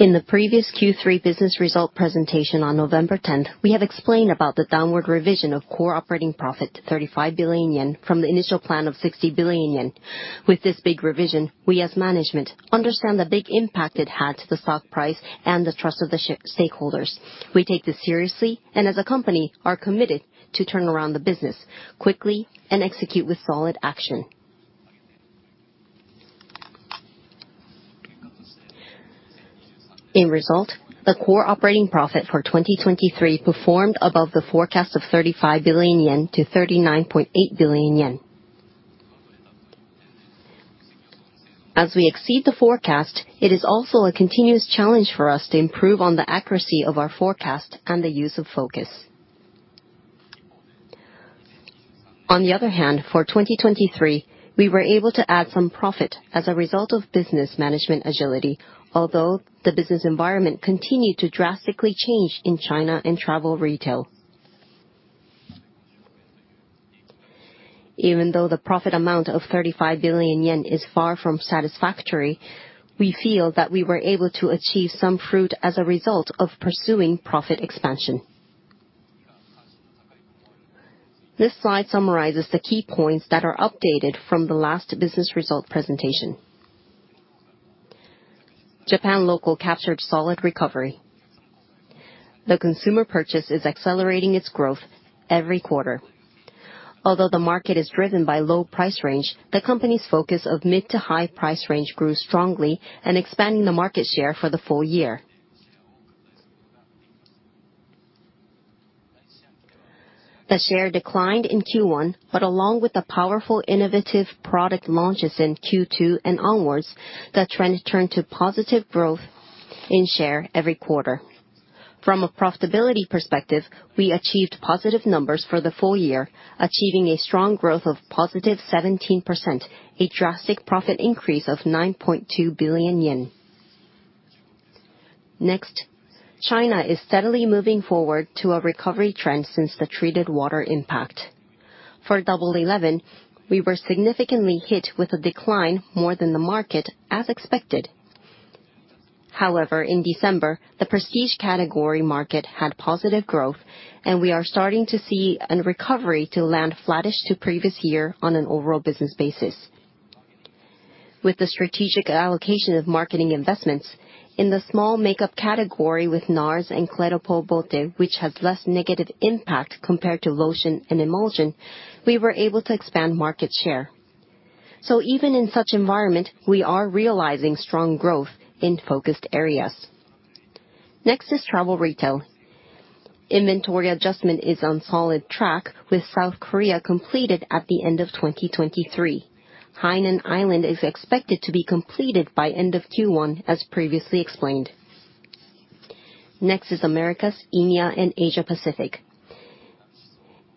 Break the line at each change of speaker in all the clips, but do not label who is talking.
In the previous Q3 business result presentation on November 10th, we have explained about the downward revision of core operating profit, 35 billion yen, from the initial plan of 60 billion yen. With this big revision, we as management understand the big impact it had to the stock price and the trust of the stakeholders. We take this seriously, and as a company, are committed to turn around the business quickly and execute with solid action. As a result, the core operating profit for 2023 performed above the forecast of 35 billion yen to 39.8 billion yen. As we exceed the forecast, it is also a continuous challenge for us to improve on the accuracy of our forecast and the use of FOCUS. On the other hand, for 2023, we were able to add some profit as a result of business management agility, although the business environment continued to drastically change in China and travel retail. Even though the profit amount of 35 billion yen is far from satisfactory, we feel that we were able to achieve some fruit as a result of pursuing profit expansion. This slide summarizes the key points that are updated from the last business result presentation. Japan local captured solid recovery. The consumer purchase is accelerating its growth every quarter. Although the market is driven by low price range, the company's FOCUS of mid to high price range grew strongly and expanding the market share for the full year. The share declined in Q1, but along with the powerful, innovative product launches in Q2 and onwards, the trend turned to positive growth in share every quarter. From a profitability perspective, we achieved positive numbers for the full year, achieving a strong growth of +17%, a drastic profit increase of 9.2 billion yen. Next, China is steadily moving forward to a recovery trend since the treated water impact. For Double 11, we were significantly hit with a decline more than the market as expected. However, in December, the prestige category market had positive growth, and we are starting to see a recovery to land flattish to previous year on an overall business basis. With the strategic allocation of marketing investments in the small makeup category with NARS and Clé de Peau Beauté which has less negative impact compared to lotion and emulsion, we were able to expand market share. Even in such environment, we are realizing strong growth in focused areas. Next is travel retail. Inventory adjustment is on solid track with South Korea completed at the end of 2023. Hainan Island is expected to be completed by end of Q1, as previously explained. Next is Americas, EMEA, and Asia Pacific.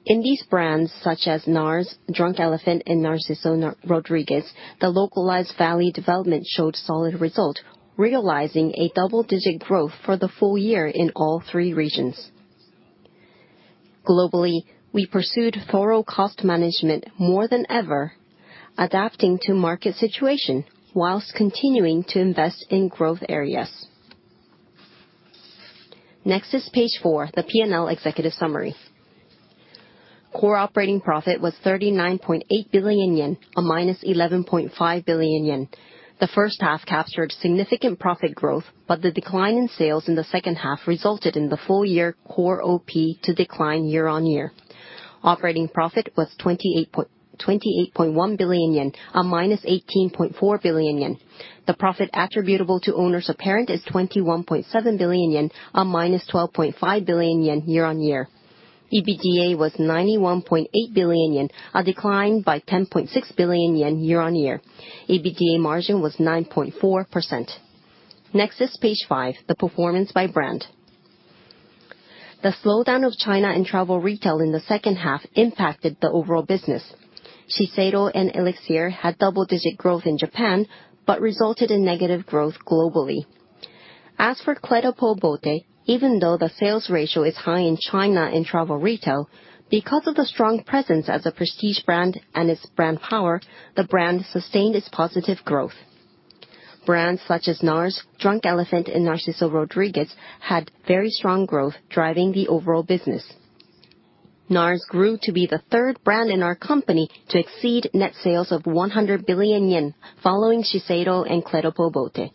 In these brands such as NARS, Drunk Elephant, and narciso rodriguez, the localized value development showed solid result, realizing a double-digit growth for the full year in all three regions. Globally, we pursued thorough cost management more than ever, adapting to market situation whilst continuing to invest in growth areas. Next is page four, the P&L executive summary. Core operating profit was 39.8 billion yen, a minus 11.5 billion yen. The first half captured significant profit growth, but the decline in sales in the second half resulted in the full year core OP to decline year-on-year. Operating profit was 28.1 billion yen, a minus 18.4 billion yen. The profit attributable to owners apparent is 21.7 billion yen, a minus 12.5 billion yen year-on-year. EBITDA was 91.8 billion yen, a decline by 10.6 billion yen year-on-year. EBITDA margin was 9.4%. Next is page five, the performance by brand. The slowdown of China and travel retail in the second half impacted the overall business. Shiseido and ELIXIR had double-digit growth in Japan, but resulted in negative growth globally. As for Clé de Peau Beauté, even though the sales ratio is high in China in travel retail, because of the strong presence as a prestige brand and its brand power, the brand sustained its positive growth. Brands such as NARS, Drunk Elephant, and narciso rodriguez had very strong growth driving the overall business. NARS grew to be the third brand in our company to exceed net sales of 100 billion yen, following Shiseido and Clé de Peau Beauté.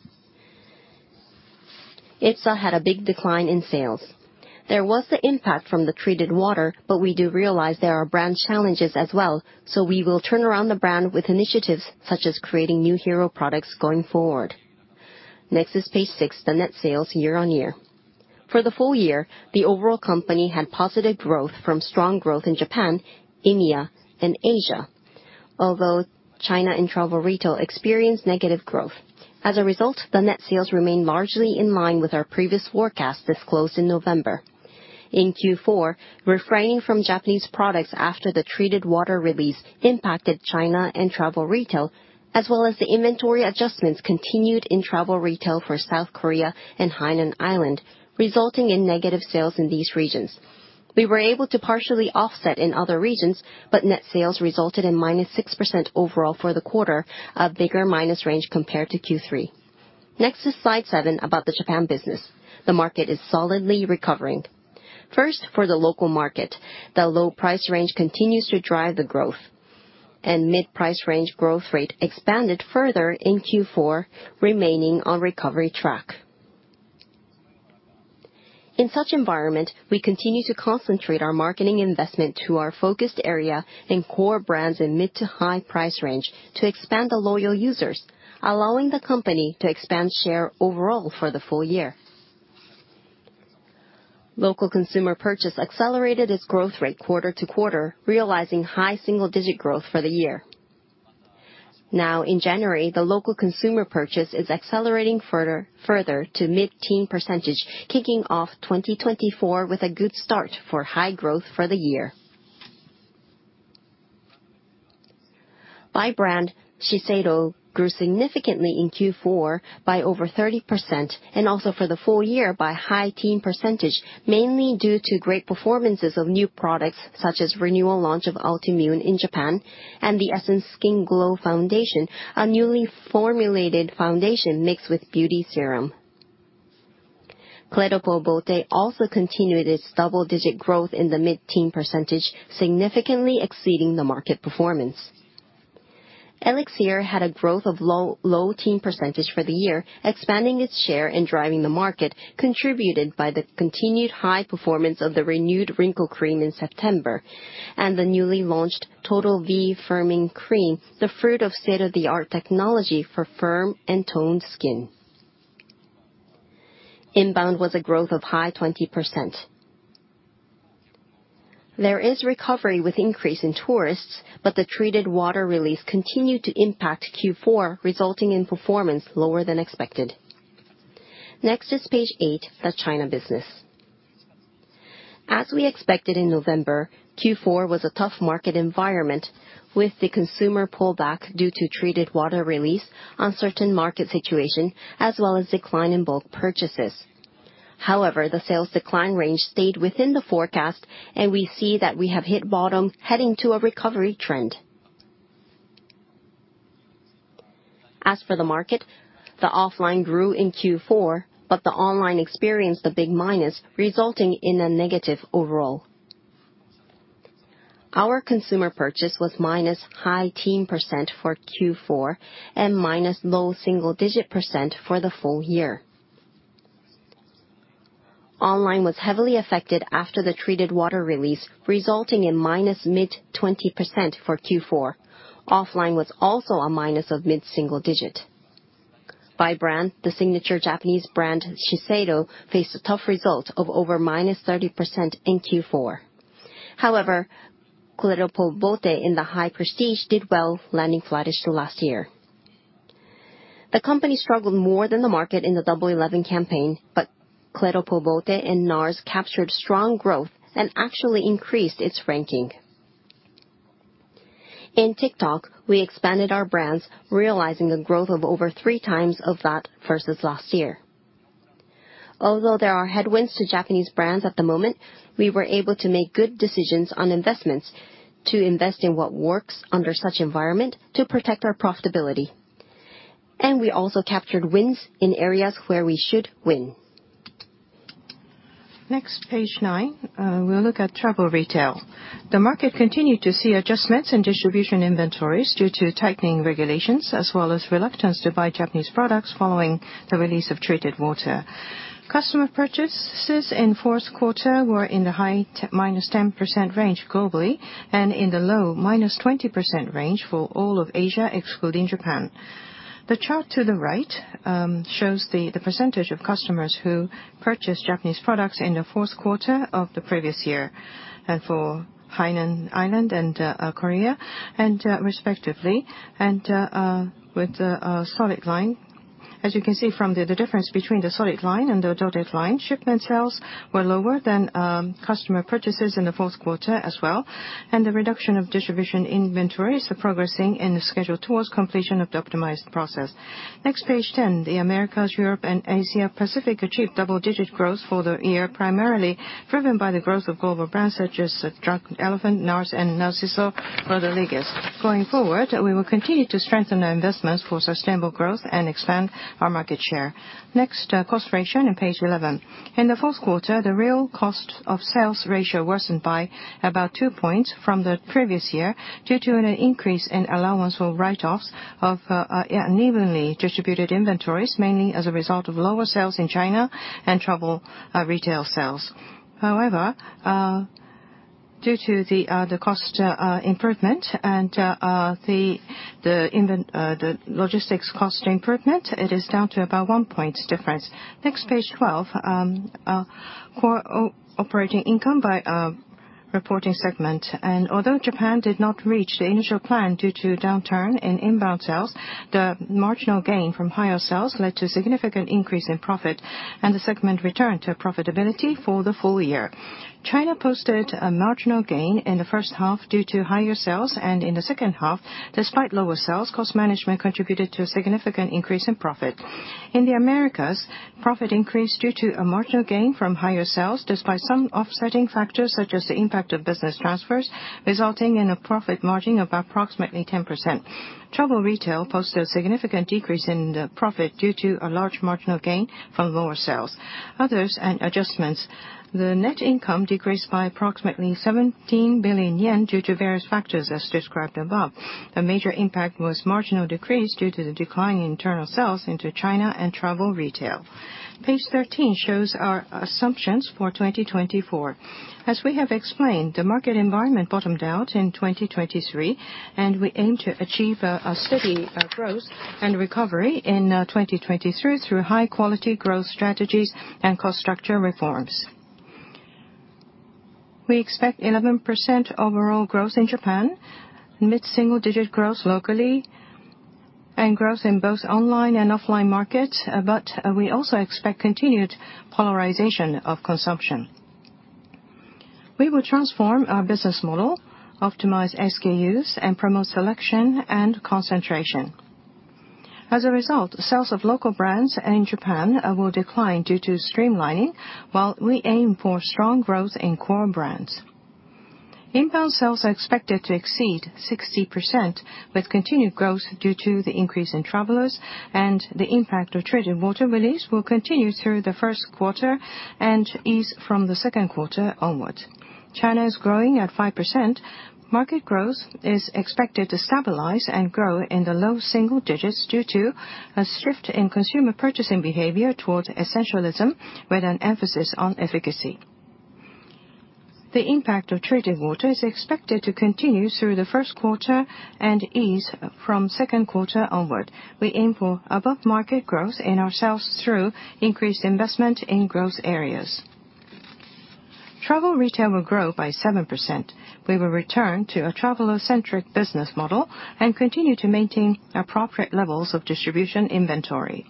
IPSA had a big decline in sales. There was the impact from the treated water, but we do realize there are brand challenges as well, so we will turn around the brand with initiatives such as creating new hero products going forward. Next is page six, the net sales year-on-year. For the full year, the overall company had positive growth from strong growth in Japan, EMEA, and Asia, although China and travel retail experienced negative growth. As a result, the net sales remained largely in line with our previous forecast disclosed in November. In Q4, refraining from Japanese products after the treated water release impacted China and travel retail, as well as the inventory adjustments continued in travel retail for South Korea and Hainan Island, resulting in negative sales in these regions. We were able to partially offset in other regions, Net sales resulted in -6% overall for the quarter, a bigger minus range compared to Q3. Next is slide seven about the Japan business. The market is solidly recovering. First, for the local market, the low price range continues to drive the growth, and mid-price range growth rate expanded further in Q4, remaining on recovery track. In such environment, we continue to concentrate our marketing investment to our focused area in core brands in mid to high price range to expand the loyal users, allowing the company to expand share overall for the full year. Local consumer purchase accelerated its growth rate quarter-to-quarter, realizing high single-digit growth for the year. Now, in January, the local consumer purchase is accelerating further to mid-teen percentage, kicking off 2024 with a good start for high growth for the year. By brand, Shiseido grew significantly in Q4 by over 30% and also for the full year by high teen percentage, mainly due to great performances of new products such as renewal launch of Ultimune in Japan and the Essence Skin Glow Foundation, a newly formulated foundation mixed with beauty serum. Clé de Peau Beauté also continued its double-digit growth in the mid-teen percentage, significantly exceeding the market performance. ELIXIR had a growth of low-teen percentage for the year, expanding its share and driving the market contributed by the continued high performance of the renewed wrinkle cream in September and the newly launched TOTAL V FIRMING CREAM, the state-of-the-art technology for firm and toned skin. Inbound was a growth of high 20%. There is recovery with increase in tourists, but the treated water release continued to impact Q4, resulting in performance lower than expected. Next is page eight, the China business. As we expected in November, Q4 was a tough market environment with the consumer pullback due to treated water release, uncertain market situation, as well as decline in bulk purchases. However, the sales decline range stayed within the forecast, and we see that we have hit bottom heading to a recovery trend. As for the market, the offline grew in Q4, but the online experienced a big minus, resulting in a negative overall. Our consumer purchase was minus high teen % for Q4 and minus low single digit % for the full year. Online was heavily affected after the treated water release, resulting in minus mid 20% for Q4. Offline was also a minus of mid-single digit. By brand, the signature Japanese brand, Shiseido, faced a tough result of over -30% in Q4. However, Clé de Peau Beauté in the high prestige did well, landing flattish to last year. The company struggled more than the market in the Double 11 campaign, but Clé de Peau Beauté and NARS captured strong growth and actually increased its ranking. In TikTok, we expanded our brands, realizing a growth of over three times of that versus last year. Although there are headwinds to Japanese brands at the moment, we were able to make good decisions on investments to invest in what works under such environment to protect our profitability. We also captured wins in areas where we should win.
Next, page nine. We'll look at travel retail. The market continued to see adjustments in distribution inventories due to tightening regulations as well as reluctance to buy Japanese products following the release of treated water. Customer purchases in fourth quarter were in the high minus 10% range globally and in the low minus 20% range for all of Asia, excluding Japan. The chart to the right shows the percentage of customers who purchased Japanese products in the fourth quarter of the previous year. For Hainan Island and Korea, and respectively. With the solid line, as you can see from the difference between the solid line and the dotted line, shipment sales were lower than customer purchases in the fourth quarter as well. The reduction of distribution inventories are progressing in the schedule towards completion of the optimized process. Next, page 10. The Americas, Europe, and Asia Pacific achieved double-digit growth for the year, primarily driven by the growth of global brands such as Drunk Elephant, NARS, and narciso rodriguez. Going forward, we will continue to strengthen our investments for sustainable growth and expand our market share. Next, cost ratio on page 11. In the fourth quarter, the real cost of sales ratio worsened by about two points from the previous year due to an increase in allowance for write-offs of unevenly distributed inventories, mainly as a result of lower sales in China and travel retail sales. However, due to the cost improvement and the logistics cost improvement, it is down to about one point difference. Next, page 12. Core operating income by reporting segment. Although Japan did not reach the initial plan due to downturn in inbound sales, the marginal gain from higher sales led to significant increase in profit and the segment returned to profitability for the full year. China posted a marginal gain in the first half due to higher sales. In the second half, despite lower sales, cost management contributed to a significant increase in profit. In the Americas, profit increased due to a marginal gain from higher sales, despite some offsetting factors such as the impact of business transfers, resulting in a profit margin of approximately 10%. Travel retail posted a significant decrease in the profit due to a large marginal gain from lower sales. Others and adjustments, the net income decreased by approximately 17 billion yen due to various factors as described above. The major impact was marginal decrease due to the decline in internal sales into China and travel retail. Page 13 shows our assumptions for 2024. As we have explained, the market environment bottomed out in 2023, and we aim to achieve a steady growth and recovery in 2023 through high-quality growth strategies and cost structure reforms. We expect 11% overall growth in Japan, mid-single digit growth locally, and growth in both online and offline market, but we also expect continued polarization of consumption. We will transform our business model, optimize SKUs, and promote selection and concentration. As a result, sales of local brands in Japan will decline due to streamlining, while we aim for strong growth in core brands. Inbound sales are expected to exceed 60%, with continued growth due to the increase in travelers and the impact of treated water release will continue through the first quarter and ease from the second quarter onwards. China is growing at 5%. Market growth is expected to stabilize and grow in the low single digits due to a shift in consumer purchasing behavior towards essentialism, with an emphasis on efficacy. The impact of treated water is expected to continue through the first quarter and ease from the second quarter onward. We aim for above-market growth in our sales through increased investment in growth areas. Travel retail will grow by 7%. We will return to a traveler-centric business model and continue to maintain appropriate levels of distribution inventory.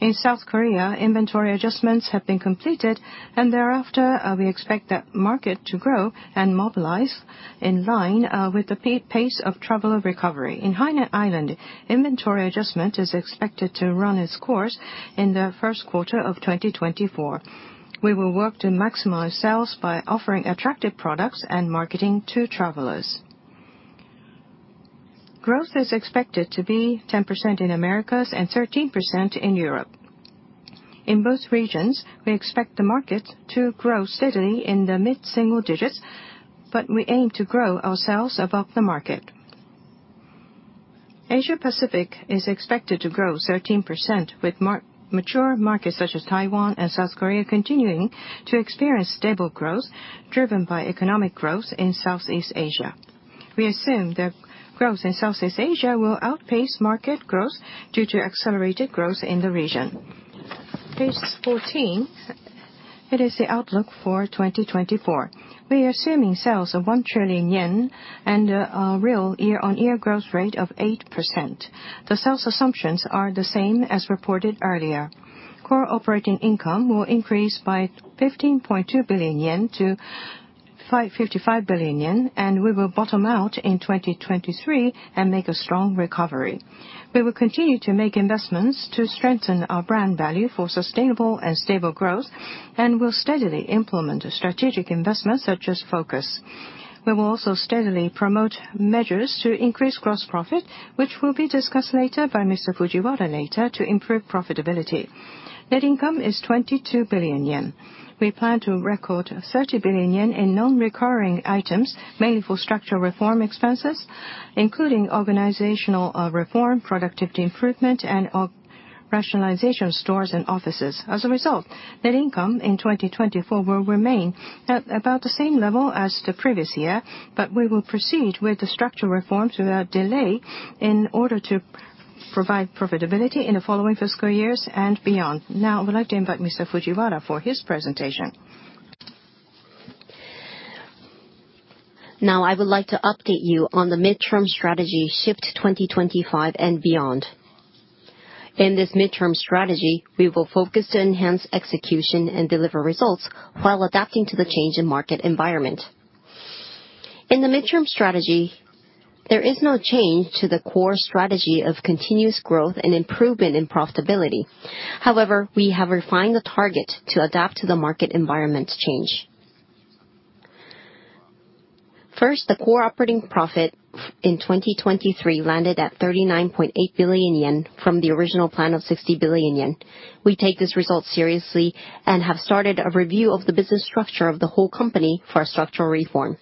In South Korea, inventory adjustments have been completed. Thereafter, we expect the market to grow and mobilize in line with the pace of traveler recovery. In Hainan Island, inventory adjustment is expected to run its course in the first quarter of 2024. We will work to maximize sales by offering attractive products and marketing to travelers. Growth is expected to be 10% in Americas and 13% in Europe. In both regions, we expect the market to grow steadily in the mid-single digits, but we aim to grow our sales above the market. Asia Pacific is expected to grow 13%, with mature markets such as Taiwan and South Korea continuing to experience stable growth driven by economic growth in Southeast Asia. We assume that growth in Southeast Asia will outpace market growth due to accelerated growth in the region. Page 14. It is the outlook for 2024. We are assuming sales of 1 trillion yen and a real year-on-year growth rate of 8%. The sales assumptions are the same as reported earlier. Core operating profit will increase by 15.2 billion yen to 55 billion yen, and we will bottom out in 2023 and make a strong recovery. We will continue to make investments to strengthen our brand value for sustainable and stable growth, and will steadily implement strategic investments, such as FOCUS. We will also steadily promote measures to increase gross profit, which will be discussed later by Mr. Fujiwara, to improve profitability. Net income is 22 billion yen. We plan to record 30 billion yen in non-recurring items, mainly for structural reform expenses, including organizational reform, productivity improvement, and rationalization stores and offices. As a result, net income in 2024 will remain at about the same level as the previous year. We will proceed with the structural reform without delay in order to provide profitability in the following fiscal years and beyond. Now I would like to invite Mr. Fujiwara for his presentation.
I would like to update you on the midterm strategy SHIFT 2025 and Beyond. In this midterm strategy, we will FOCUS to enhance execution and deliver results while adapting to the change in market environment. In the midterm strategy, there is no change to the core strategy of continuous growth and improvement in profitability. We have refined the target to adapt to the market environment change. First, the core operating profit in 2023 landed at 39.8 billion yen from the original plan of 60 billion yen. We take this result seriously and have started a review of the business structure of the whole company for a structural reform.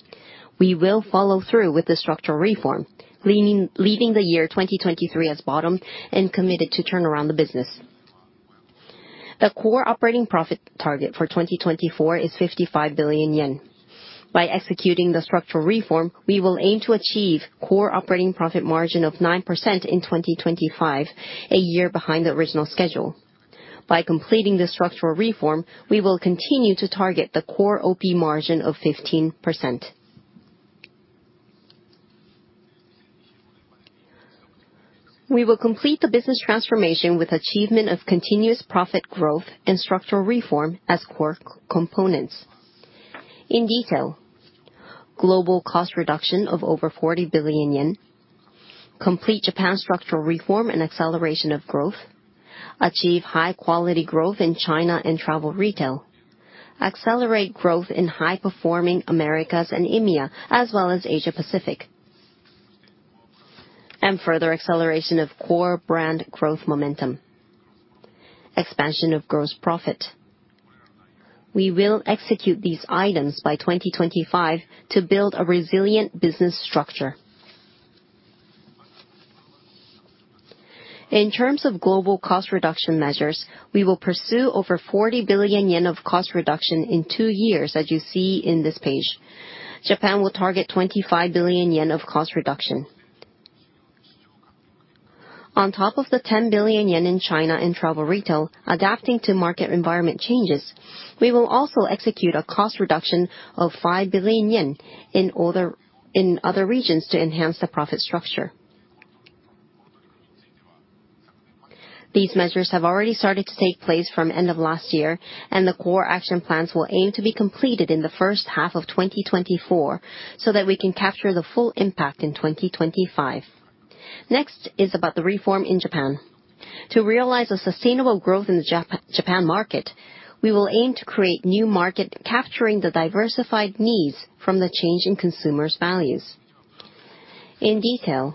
We will follow through with the structural reform, leaving the year 2023 as bottom and committed to turn around the business. The core operating profit target for 2024 is 55 billion yen. By executing the structural reform, we will aim to achieve core operating profit margin of 9% in 2025, a year behind the original schedule. By completing the structural reform, we will continue to target the core OP margin of 15%. We will complete the business transformation with achievement of continuous profit growth and structural reform as core components. In detail, global cost reduction of over 40 billion yen, complete Japan structural reform and acceleration of growth, achieve high quality growth in China and travel retail, accelerate growth in high-performing Americas and EMEA, as well as Asia Pacific. Further acceleration of core brand growth momentum. Expansion of gross profit. We will execute these items by 2025 to build a resilient business structure. In terms of global cost reduction measures, we will pursue over 40 billion yen of cost reduction in two years, as you see in this page. Japan will target 25 billion yen of cost reduction. On top of the 10 billion yen in China and travel retail, adapting to market environment changes, we will also execute a cost reduction of 5 billion yen in other regions to enhance the profit structure. These measures have already started to take place from end of last year, and the core action plans will aim to be completed in the first half of 2024 so that we can capture the full impact in 2025. Next is about the reform in Japan. To realize a sustainable growth in the Japan market, we will aim to create new market, capturing the diversified needs from the change in consumers' values. In detail,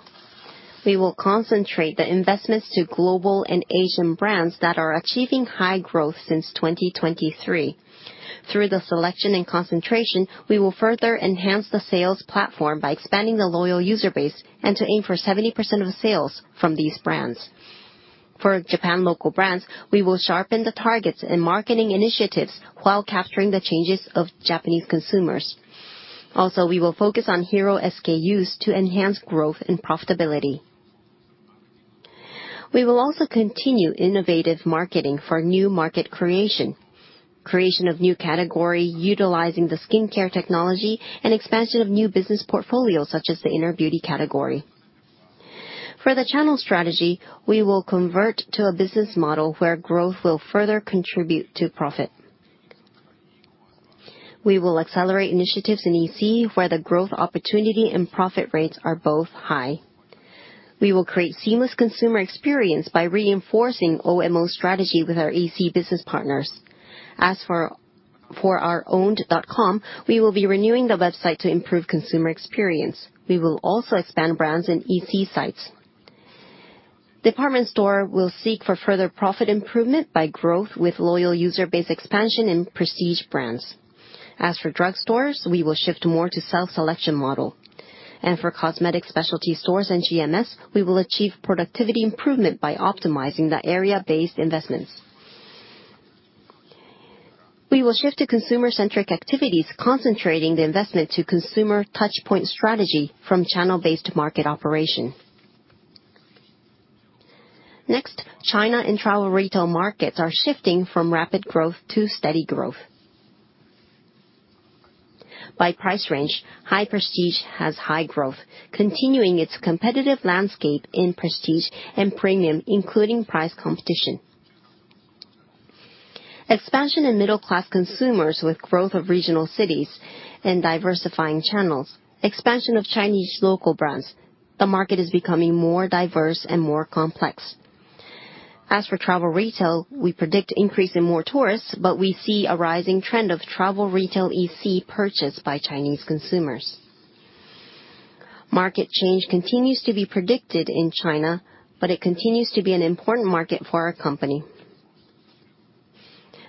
we will concentrate the investments to global and Asian brands that are achieving high growth since 2023. Through the selection and concentration, we will further enhance the sales platform by expanding the loyal user base and to aim for 70% of sales from these brands. For Japan local brands, we will sharpen the targets and marketing initiatives while capturing the changes of Japanese consumers. Also, we will focus on hero SKUs to enhance growth and profitability. We will also continue innovative marketing for new market creation of new category, utilizing the skincare technology, and expansion of new business portfolios such as the inner beauty category. For the channel strategy, we will convert to a business model where growth will further contribute to profit. We will accelerate initiatives in EC where the growth opportunity and profit rates are both high. We will create seamless consumer experience by reinforcing OMO strategy with our EC business partners. As for our owned dot-com, we will be renewing the website to improve consumer experience. We will also expand brands in EC sites. Department store will seek for further profit improvement by growth with loyal user base expansion and prestige brands. As for drugstores, we will shift more to self-selection model. For cosmetic specialty stores and GMS, we will achieve productivity improvement by optimizing the area-based investments. We will shift to consumer-centric activities, concentrating the investment to consumer touchpoint strategy from channel-based market operation. China and travel retail markets are shifting from rapid growth to steady growth. By price range, high prestige has high growth, continuing its competitive landscape in prestige and premium, including price competition. Expansion in middle-class consumers with growth of regional cities and diversifying channels. Expansion of Chinese local brands. The market is becoming more diverse and more complex. As for travel retail, we predict increase in more tourists, but we see a rising trend of travel retail EC purchase by Chinese consumers. Market change continues to be predicted in China, but it continues to be an important market for our company.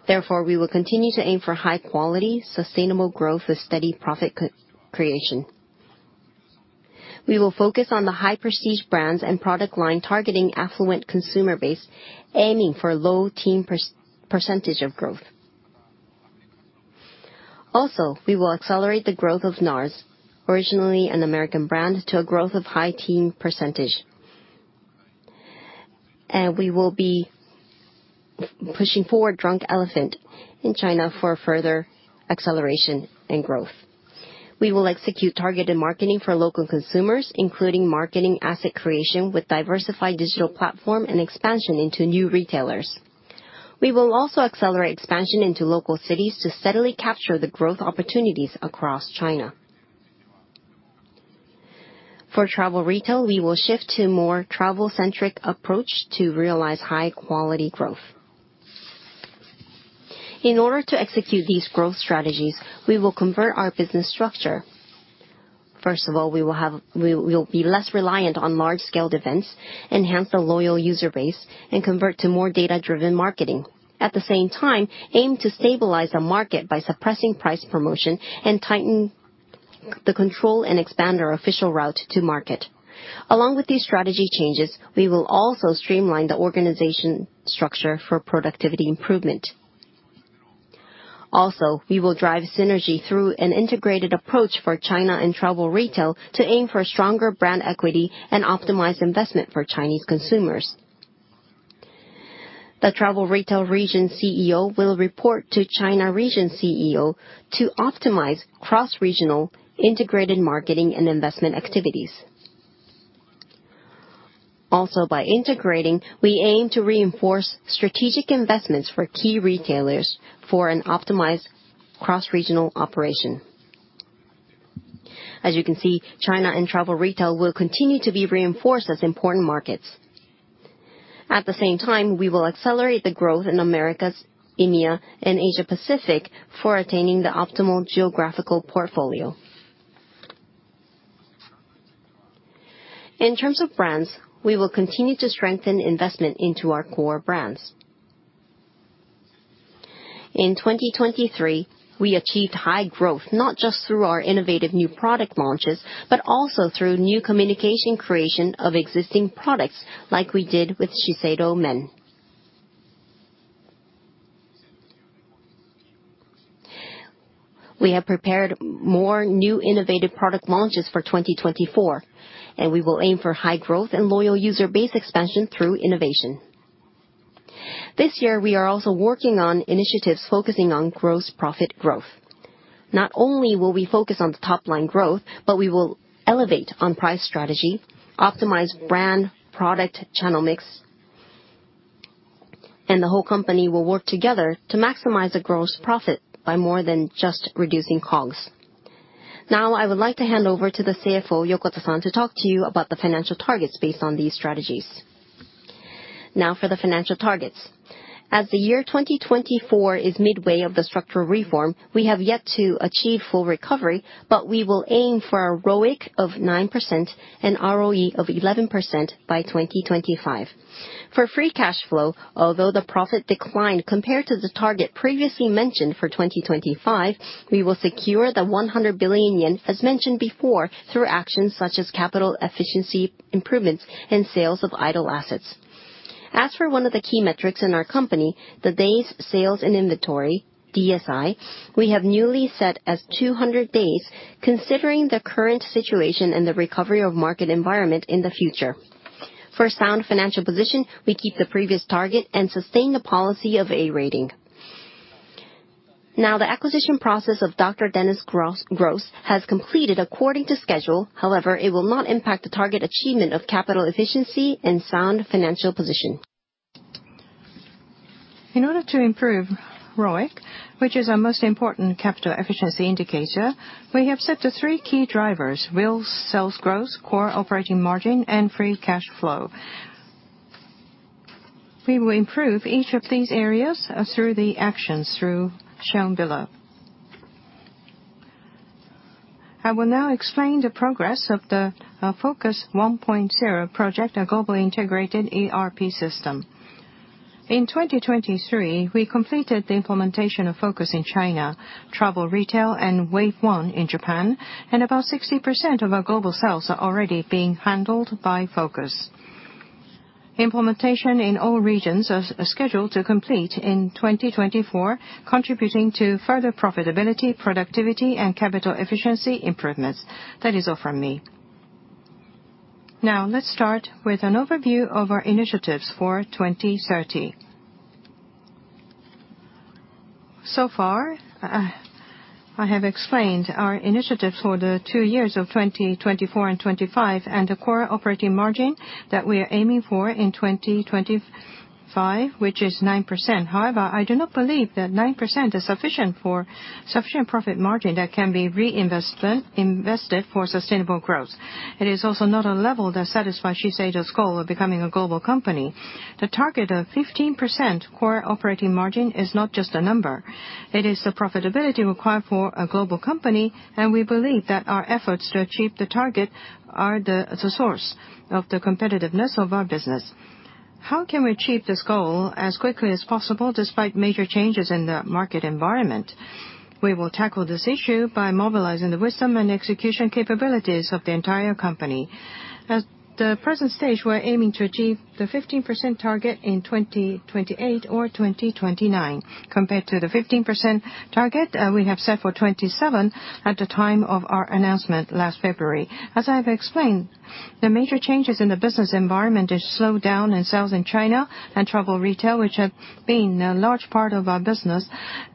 Therefore, we will continue to aim for high quality, sustainable growth with steady profit creation. We will focus on the high prestige brands and product line targeting affluent consumer base, aiming for low-teen percentage of growth. Also, we will accelerate the growth of NARS, originally an American brand, to a growth of high-teen percentage. We will be pushing forward Drunk Elephant in China for further acceleration and growth. We will execute targeted marketing for local consumers, including marketing asset creation with diversified digital platform and expansion into new retailers. We will also accelerate expansion into local cities to steadily capture the growth opportunities across China. For travel retail, we will shift to more travel-centric approach to realize high-quality growth. In order to execute these growth strategies, we will convert our business structure. We will be less reliant on large-scale events, enhance the loyal user base, and convert to more data-driven marketing. Aim to stabilize the market by suppressing price promotion and tighten the control and expand our official route to market. Along with these strategy changes, we will also streamline the organization structure for productivity improvement. We will drive synergy through an integrated approach for China and travel retail to aim for stronger brand equity and optimized investment for Chinese consumers. The Travel Retail Region CEO will report to China Region CEO to optimize cross-regional integrated marketing and investment activities. By integrating, we aim to reinforce strategic investments for key retailers for an optimized cross-regional operation. China and Travel Retail will continue to be reinforced as important markets. We will accelerate the growth in Americas, EMEA, and Asia Pacific for attaining the optimal geographical portfolio. In terms of brands, we will continue to strengthen investment into our core brands. In 2023, we achieved high growth, not just through our innovative new product launches, but also through new communication creation of existing products, like we did with Shiseido Men. We have prepared more new innovative product launches for 2024, and we will aim for high growth and loyal user base expansion through innovation. This year, we are also working on initiatives focusing on gross profit growth. Not only will we focus on the top-line growth, but we will elevate on price strategy, optimize brand product channel mix, and the whole company will work together to maximize the gross profit by more than just reducing COGS. I would like to hand over to the CFO, Yokota-san, to talk to you about the financial targets based on these strategies. For the financial targets. The year 2024 is midway of the structural reform, we have yet to achieve full recovery, but we will aim for a ROIC of 9% and ROE of 11% by 2025. For free cash flow, although the profit declined compared to the target previously mentioned for 2025, we will secure the 100 billion yen, as mentioned before, through actions such as capital efficiency improvements and sales of idle assets. One of the key metrics in our company, the days sales and inventory, DSI, we have newly set as 200 days, considering the current situation and the recovery of market environment in the future. For sound financial position, we keep the previous target and sustain the policy of A rating. The acquisition process of Dr. Dennis Gross has completed according to schedule. It will not impact the target achievement of capital efficiency and sound financial position.
In order to improve ROIC, which is our most important capital efficiency indicator, we have set the three key drivers: real sales growth, core operating margin, and free cash flow. We will improve each of these areas through the actions shown below. I will now explain the progress of the FOCUS 1.0 project, a globally integrated ERP system. In 2023, we completed the implementation of FOCUS in China, Travel Retail, and wave 1 in Japan, and about 60% of our global sales are already being handled by FOCUS. Implementation in all regions is scheduled to complete in 2024, contributing to further profitability, productivity, and capital efficiency improvements. That is all from me. Let's start with an overview of our initiatives for 2030. Far, I have explained our initiatives for the two years of 2024 and 2025, and the core operating margin that we are aiming for in 2025, which is 9%. I do not believe that 9% is sufficient profit margin that can be reinvested for sustainable growth. It is also not a level that satisfies Shiseido's goal of becoming a global company. The target of 15% core operating margin is not just a number. It is the profitability required for a global company, and we believe that our efforts to achieve the target are the source of the competitiveness of our business. How can we achieve this goal as quickly as possible despite major changes in the market environment? We will tackle this issue by mobilizing the wisdom and execution capabilities of the entire company. At the present stage, we're aiming to achieve the 15% target in 2028 or 2029, compared to the 15% target we have set for 2027 at the time of our announcement last February. I have explained, the major changes in the business environment is slowdown in sales in China and Travel Retail, which have been a large part of our business,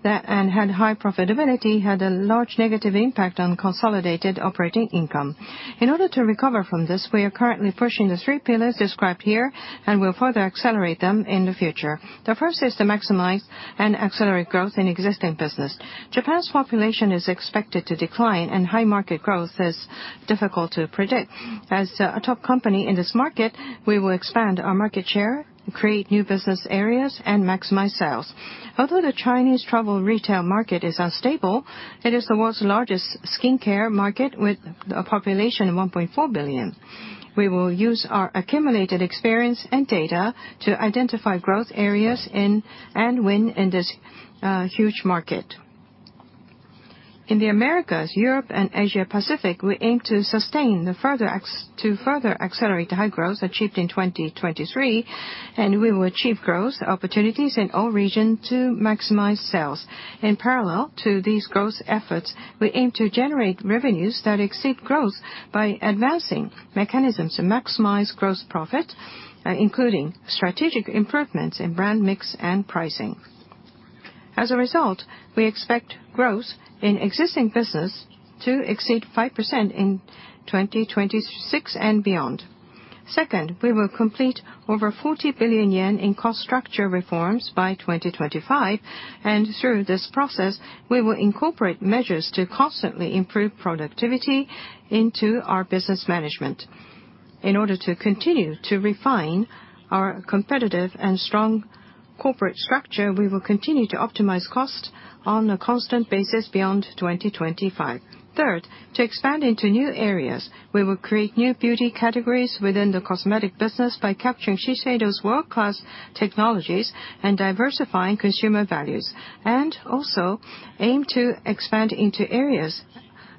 and had high profitability, had a large negative impact on consolidated operating income. In order to recover from this, we are currently pushing the three pillars described here and will further accelerate them in the future. The first is to maximize and accelerate growth in existing business. Japan's population is expected to decline, and high market growth is difficult to predict. As a top company in this market, we will expand our market share, create new business areas, and maximize sales. The Chinese travel retail market is unstable, it is the world's largest skincare market with a population of 1.4 billion. We will use our accumulated experience and data to identify growth areas and win in this huge market. In the Americas, Europe, and Asia Pacific, we aim to sustain to further accelerate the high growth achieved in 2023, and we will achieve growth opportunities in all region to maximize sales. In parallel to these growth efforts, we aim to generate revenues that exceed growth by advancing mechanisms to maximize gross profit, including strategic improvements in brand mix and pricing. A result, we expect growth in existing business to exceed 5% in 2026 and beyond. Second, we will complete over 40 billion yen in cost structure reforms by 2025, and through this process, we will incorporate measures to constantly improve productivity into our business management. In order to continue to refine our competitive and strong corporate structure, we will continue to optimize cost on a constant basis beyond 2025. Third, to expand into new areas, we will create new beauty categories within the cosmetic business by capturing Shiseido's world-class technologies and diversifying consumer values. Also aim to expand into areas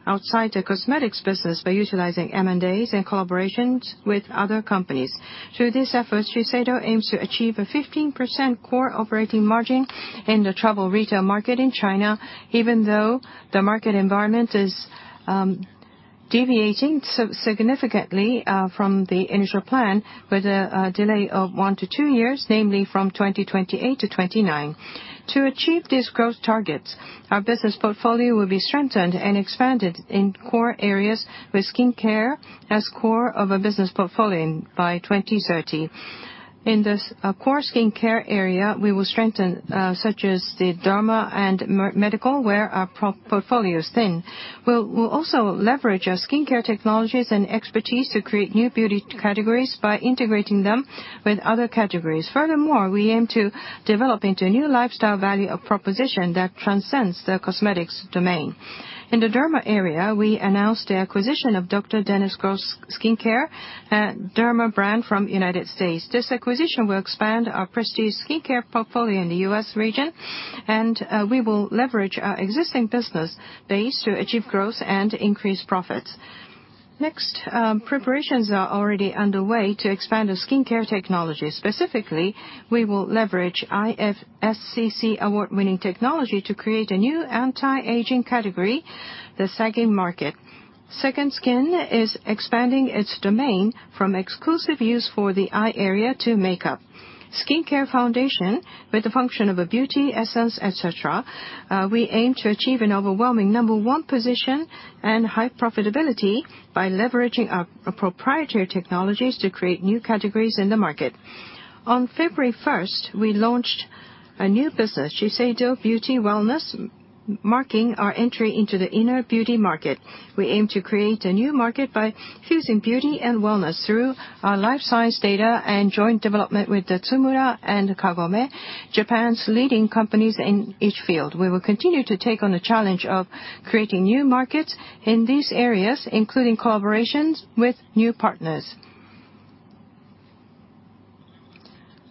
outside the cosmetics business by utilizing M&As and collaborations with other companies. Through these efforts, Shiseido aims to achieve a 15% core operating margin in the travel retail market in China, even though the market environment is deviating significantly from the initial plan with a delay of one to two years, namely from 2028 to 2029. To achieve these growth targets, our business portfolio will be strengthened and expanded in core areas with skincare as core of a business portfolio by 2030. In the core skincare area, we will strengthen such as the derma and medical, where our portfolio is thin. We will also leverage our skincare technologies and expertise to create new beauty categories by integrating them with other categories. Furthermore, we aim to develop into a new lifestyle value proposition that transcends the cosmetics domain. In the derma area, we announced the acquisition of Dr. Dennis Gross Skincare, a derma brand from the U.S. This acquisition will expand our prestige skincare portfolio in the U.S. region, and we will leverage our existing business base to achieve growth and increase profits. Next, preparations are already underway to expand the skincare technology. Specifically, we will leverage IFSCC award-winning technology to create a new anti-aging category, the sagging market. Second Skin is expanding its domain from exclusive use for the eye area to makeup. Skincare foundation with the function of a beauty essence, et cetera. We aim to achieve an overwhelming number one position and high profitability by leveraging our proprietary technologies to create new categories in the market. On February 1st, we launched a new business, SHISEIDO BEAUTY WELLNESS, marking our entry into the inner beauty market. We aim to create a new market by fusing beauty and wellness through our life-sized data and joint development with Tsumura and Kagome, Japan's leading companies in each field. We will continue to take on the challenge of creating new markets in these areas, including collaborations with new partners.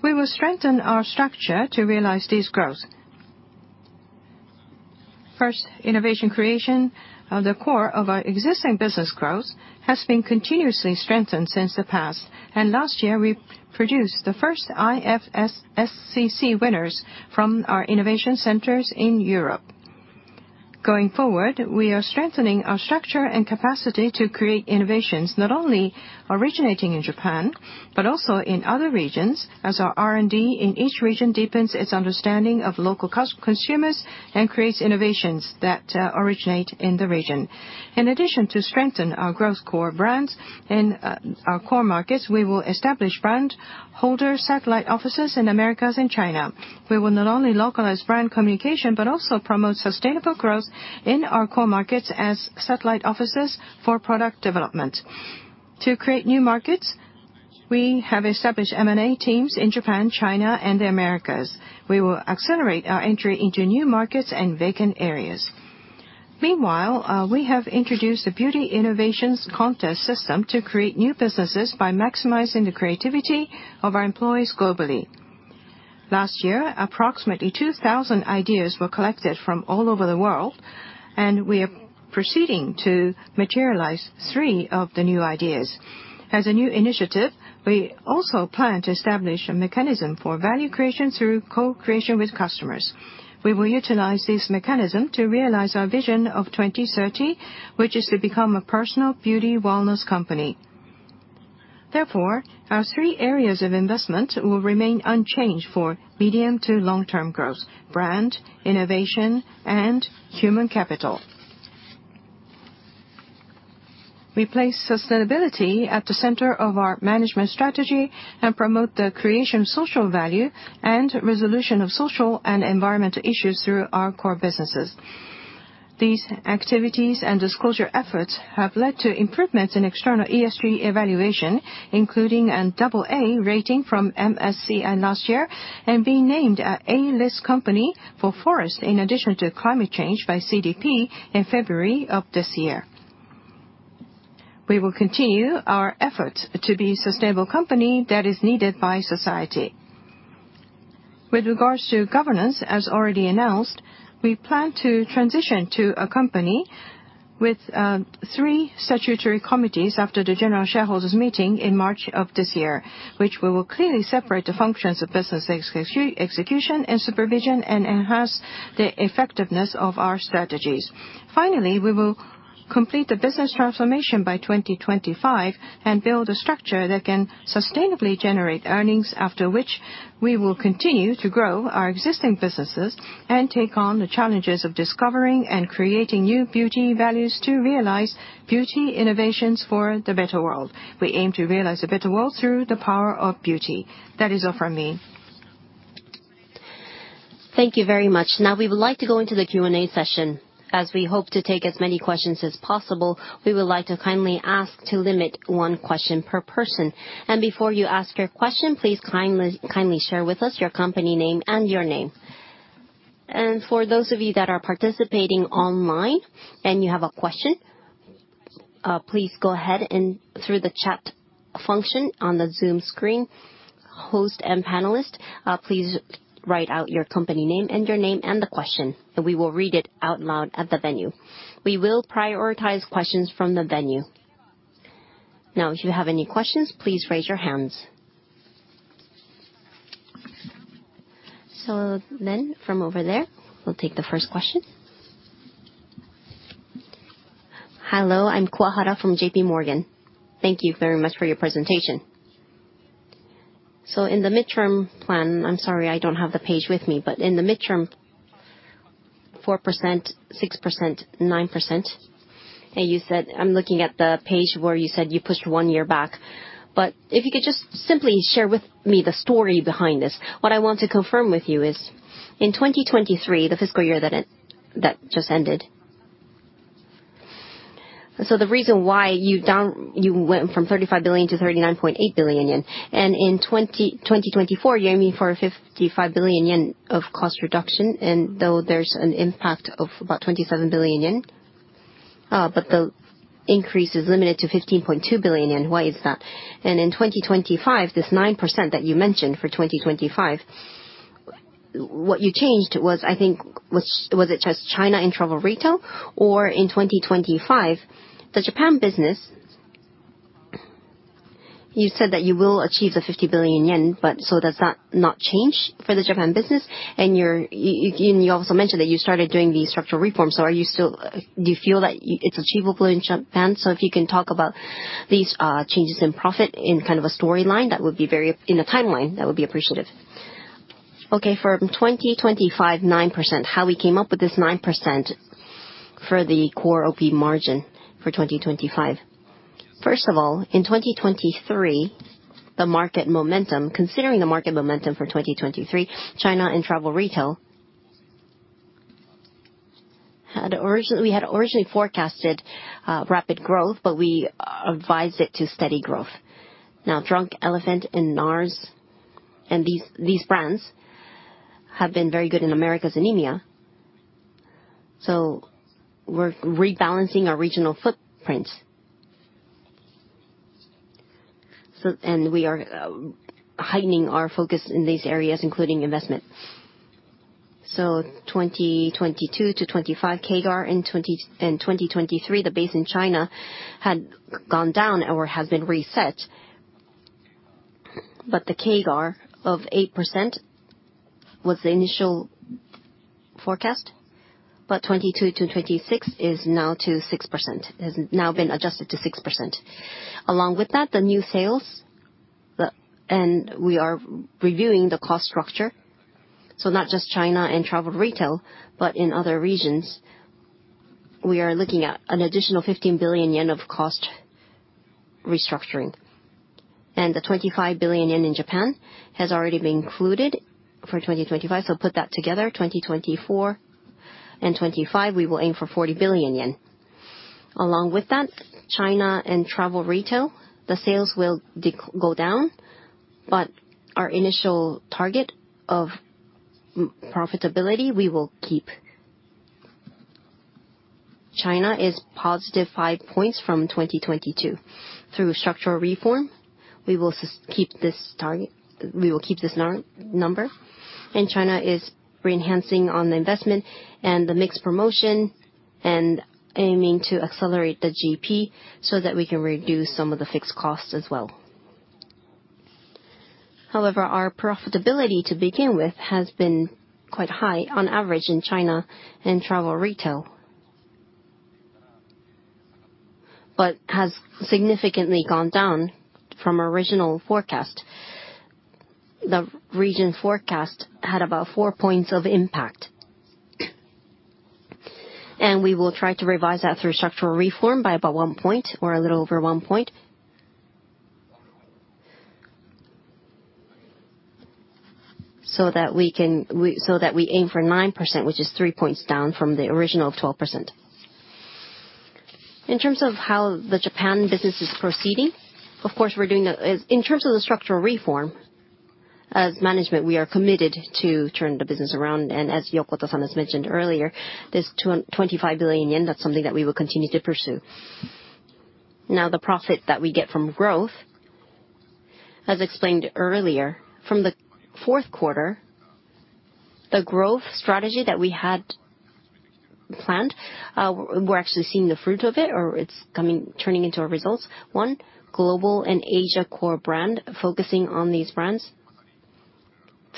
We will strengthen our structure to realize this growth. First, innovation creation, the core of our existing business growth, has been continuously strengthened since the past. Last year, we produced the first IFSCC winners from our innovation centers in Europe. Going forward, we are strengthening our structure and capacity to create innovations, not only originating in Japan, but also in other regions, as our R&D in each region deepens its understanding of local consumers and creates innovations that originate in the region. In addition to strengthening our growth core brands in our core markets, we will establish brand holder satellite offices in the Americas and China. We will not only localize brand communication, but also promote sustainable growth in our core markets as satellite offices for product development. To create new markets, we have established M&A teams in Japan, China, and the Americas. We will accelerate our entry into new markets and vacant areas. Meanwhile, we have introduced a beauty innovations contest system to create new businesses by maximizing the creativity of our employees globally. Last year, approximately 2,000 ideas were collected from all over the world, and we are proceeding to materialize three of the new ideas. As a new initiative, we also plan to establish a mechanism for value creation through co-creation with customers. We will utilize this mechanism to realize our vision of 2030, which is to become a personal beauty wellness company. Our three areas of investment will remain unchanged for medium to long-term growth: brand, innovation, and human capital. We place sustainability at the center of our management strategy and promote the creation of social value and resolution of social and environmental issues through our core businesses. These activities and disclosure efforts have led to improvements in external ESG evaluation, including an AA rating from MSCI last year and being named an A-list company for forest in addition to climate change by CDP in February of this year. We will continue our effort to be a sustainable company that is needed by society. With regards to governance, as already announced, we plan to transition to a company with three statutory committees after the general shareholders meeting in March of this year, which we will clearly separate the functions of business execution and supervision and enhance the effectiveness of our strategies. We will.
Complete the business transformation by 2025 and build a structure that can sustainably generate earnings, after which we will continue to grow our existing businesses and take on the challenges of discovering and creating new beauty values to realize beauty innovations for the better world. We aim to realize a better world through the power of beauty. That is all from me. Thank you very much. We would like to go into the Q&A session. As we hope to take as many questions as possible, we would like to kindly ask to limit one question per person. Before you ask your question, please kindly share with us your company name and your name.
For those of you that are participating online and you have a question, please go ahead and through the chat function on the Zoom screen, host and panelist, please write out your company name and your name and the question, and we will read it out loud at the venue. We will prioritize questions from the venue. If you have any questions, please raise your hands. From over there, we'll take the first question. Hello, I'm Kuwahara from JPMorgan. Thank you very much for your presentation. In the midterm plan, I'm sorry, I don't have the page with me, but in the midterm, 4%, 6%, 9%. You said, I'm looking at the page where you said you pushed one year back. If you could just simply share with me the story behind this. What I want to confirm with you is in 2023, the fiscal year that just ended. The reason why you went from 35 billion to 39.8 billion yen. In 2024, you're aiming for 55 billion yen of cost reduction, though there's an impact of about 27 billion yen, the increase is limited to 15.2 billion yen. Why is that? In 2025, this 9% that you mentioned for 2025, what you changed was, I think, was it just China and travel retail? In 2025, the Japan business, you said that you will achieve the 50 billion yen, does that not change for the Japan business? You also mentioned that you started doing the structural reforms. Are you still, do you feel that it's achievable in Japan?
If you can talk about these changes in profit in kind of a storyline, that would be very, in a timeline, that would be appreciative. Okay. For 2025, 9%, how we came up with this 9% for the core OP margin for 2025. In 2023, the market momentum, considering the market momentum for 2023, China and travel retail, we had originally forecasted rapid growth, but we revised it to steady growth. Drunk Elephant and NARS and these brands have been very good in Americas and EMEA. We're rebalancing our regional footprints. We are heightening our focus in these areas, including investment. 2022-2025 CAGR and 2023, the base in China had gone down or has been reset. The CAGR of 8% was the initial forecast. 2022-2026 is now to 6%, has now been adjusted to 6%. Along with that, the new sales. We are reviewing the cost structure. Not just China and travel retail, but in other regions, we are looking at an additional 15 billion yen of cost restructuring. The 25 billion yen in Japan has already been included for 2025. Put that together, 2024 and 2025, we will aim for 40 billion yen. Along with that, China and travel retail, the sales will go down. Our initial target of profitability, we will keep. China is +5 points from 2022. Through structural reform, we will keep this target. We will keep this number. China is re-enhancing on the investment and the mixed promotion and aiming to accelerate the GP so that we can reduce some of the fixed costs as well. Our profitability to begin with has been quite high on average in China and travel retail, but has significantly gone down from our original forecast. The region forecast had about four points of impact. We will try to revise that through structural reform by about one point or a little over one point. We aim for 9%, which is three points down from the original 12%. In terms of how the Japan business is proceeding, of course, we're doing the structural reform, as management, we are committed to turn the business around. As Yokota-san has mentioned earlier, this 25 billion yen, that's something that we will continue to pursue. The profit that we get from growth, as explained earlier, from the fourth quarter, the growth strategy that we had planned, we are actually seeing the fruit of it, or it is turning into our results. One, global and Asia core brand, focusing on these brands.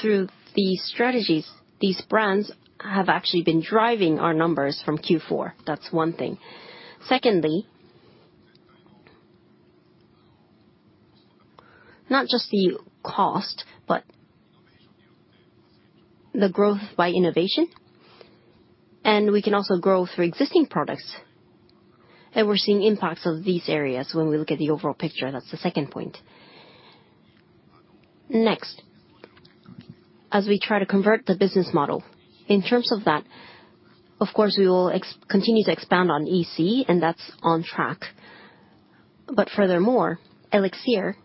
Through these strategies, these brands have actually been driving our numbers from Q4. That's one thing. Secondly, not just the cost, but the growth by innovation, and we can also grow through existing products. We are seeing impacts of these areas when we look at the overall picture. That's the second point. As we try to convert the business model, in terms of that, of course, we will continue to expand on EC, and that's on track. Furthermore, ELIXIR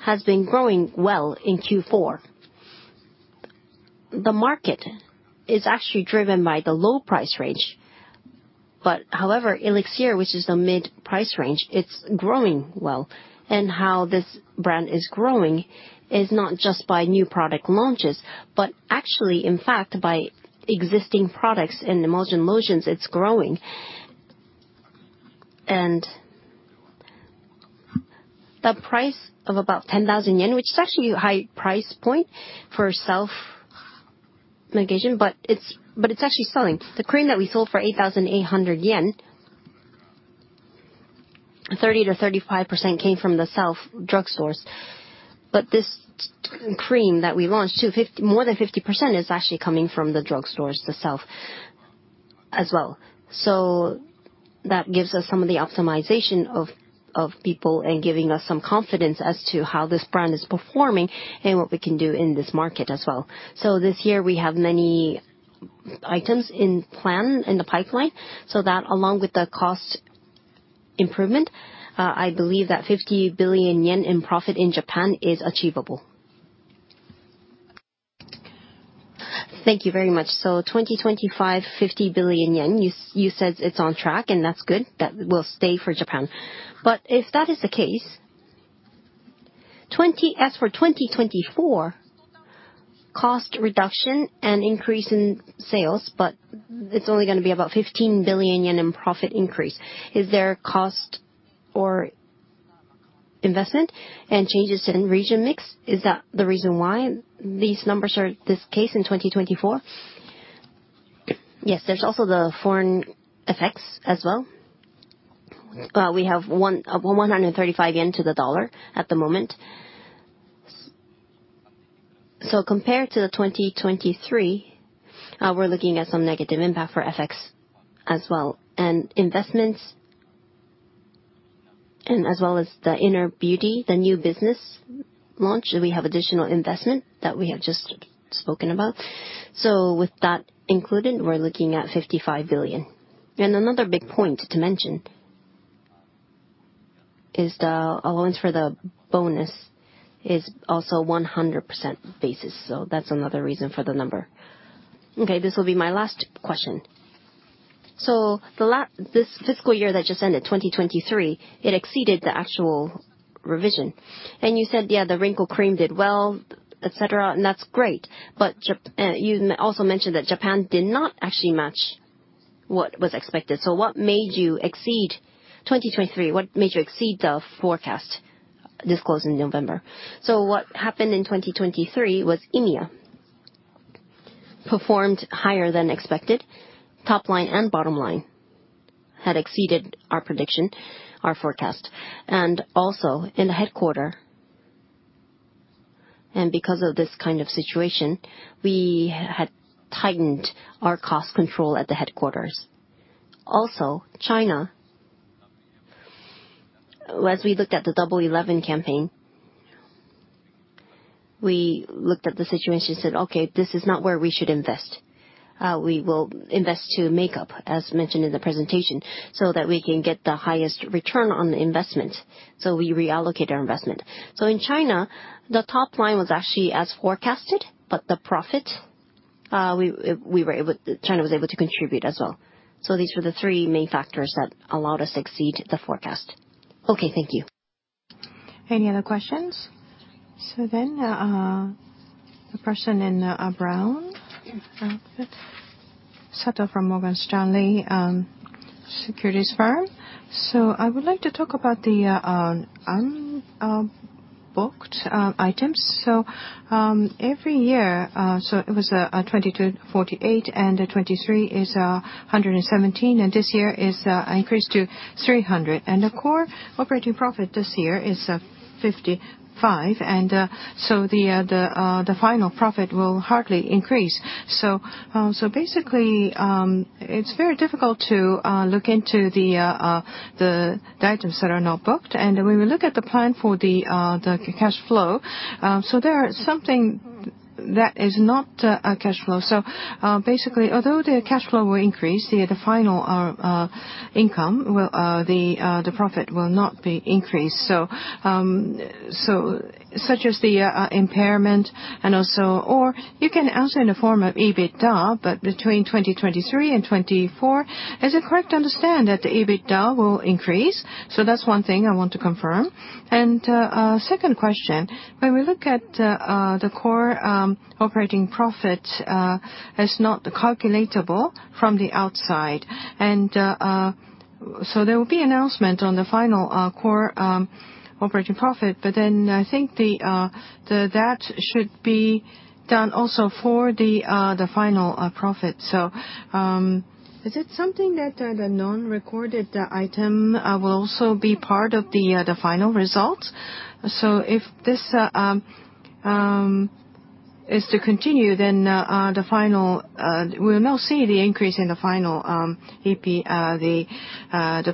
has been growing well in Q4. The market is actually driven by the low price range. However, ELIXIR, which is the mid-price range, it is growing well. How this brand is growing is not just by new product launches, but actually, in fact, by existing products in emulsion lotions, it is growing. The price of about 10,000 yen, which is actually a high price point for self-medication, but it is actually selling. The cream that we sold for 8,800 yen, 30%-35% came from the self drugstores. This cream that we launched, more than 50% is actually coming from the drugstores, the self as well. That gives us some of the optimization of people and giving us some confidence as to how this brand is performing and what we can do in this market as well.
This year, we have many items in plan in the pipeline, so that along with the cost improvement, I believe that 50 billion yen in profit in Japan is achievable. Thank you very much. 2025, 50 billion yen, you said it's on track, and that's good. That will stay for Japan. If that is the case, as for 2024, cost reduction and increase in sales, but it's only going to be about 15 billion yen in profit increase. Is there cost or investment and changes in region mix? Is that the reason why these numbers are this case in 2024? Yes, there's also the foreign effects as well. We have 135 yen to the dollar at the moment.
Compared to the 2023, we are looking at some negative impact for FX as well, and investments, as well as the inner beauty, the new business launch, we have additional investment that we have just spoken about. With that included, we are looking at 55 billion. Another big point to mention is the allowance for the bonus is also 100% basis. That's another reason for the number. Okay, this will be my last question. This fiscal year that just ended, 2023, it exceeded the actual revision. You said, yeah, the wrinkle cream did well, et cetera, and that's great. You also mentioned that Japan did not actually match what was expected. What made you exceed 2023? What made you exceed the forecast disclosed in November? What happened in 2023 was EMEA performed higher than expected. Top line and bottom line had exceeded our prediction, our forecast. In the headquarters, because of this kind of situation, we had tightened our cost control at the headquarters. China, as we looked at the Double 11 campaign, we looked at the situation and said, "Okay, this is not where we should invest." We will invest to makeup, as mentioned in the presentation, so that we can get the highest return on the investment. We reallocate our investment. In China, the top line was actually as forecasted, but the profit, China was able to contribute as well. These were the three main factors that allowed us to exceed the forecast. Okay, thank you.
Any other questions? The person in brown outfit. Sato from Morgan Stanley Securities Firm. I would like to talk about the unbooked items. Every year, it was 22 billion, 48 billion, and 2023 is 117 billion, and this year is increased to 300 billion. The core operating profit this year is 55 billion, the final profit will hardly increase. It's very difficult to look into the items that are not booked. When we look at the plan for the cash flow, there is something that is not a cash flow. Although the cash flow will increase, the final income, the profit will not be increased. Such as the impairment. Or you can answer in the form of EBITDA, but between 2023 and 2024, is it correct to understand that the EBITDA will increase? That's one thing I want to confirm. Second question, when we look at the core operating profit, it's not calculatable from the outside. There will be announcement on the final core operating profit. I think that should be done also for the final profit. Is it something that the non-recorded item will also be part of the final results? If this is to continue, we'll now see the increase in the final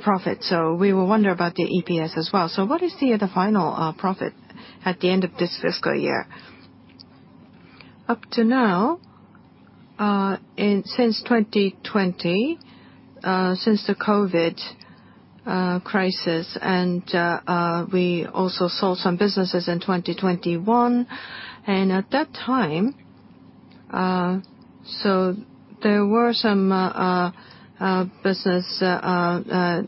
profit. We will wonder about the EPS as well. What is the final profit at the end of this fiscal year? Up to now, since 2020, since the COVID crisis, we also sold some businesses in 2021. At that time, there were some business that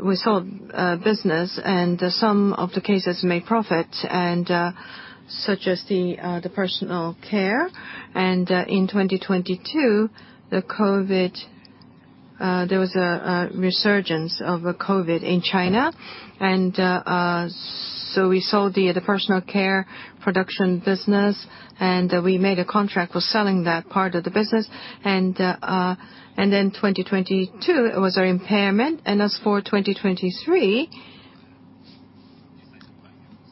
we sold, and some of the cases made profit, such as the personal care. In 2022, there was a resurgence of COVID in China. We sold the personal care production business, we made a contract for selling that part of the business. 2022 was our impairment. As for 2023,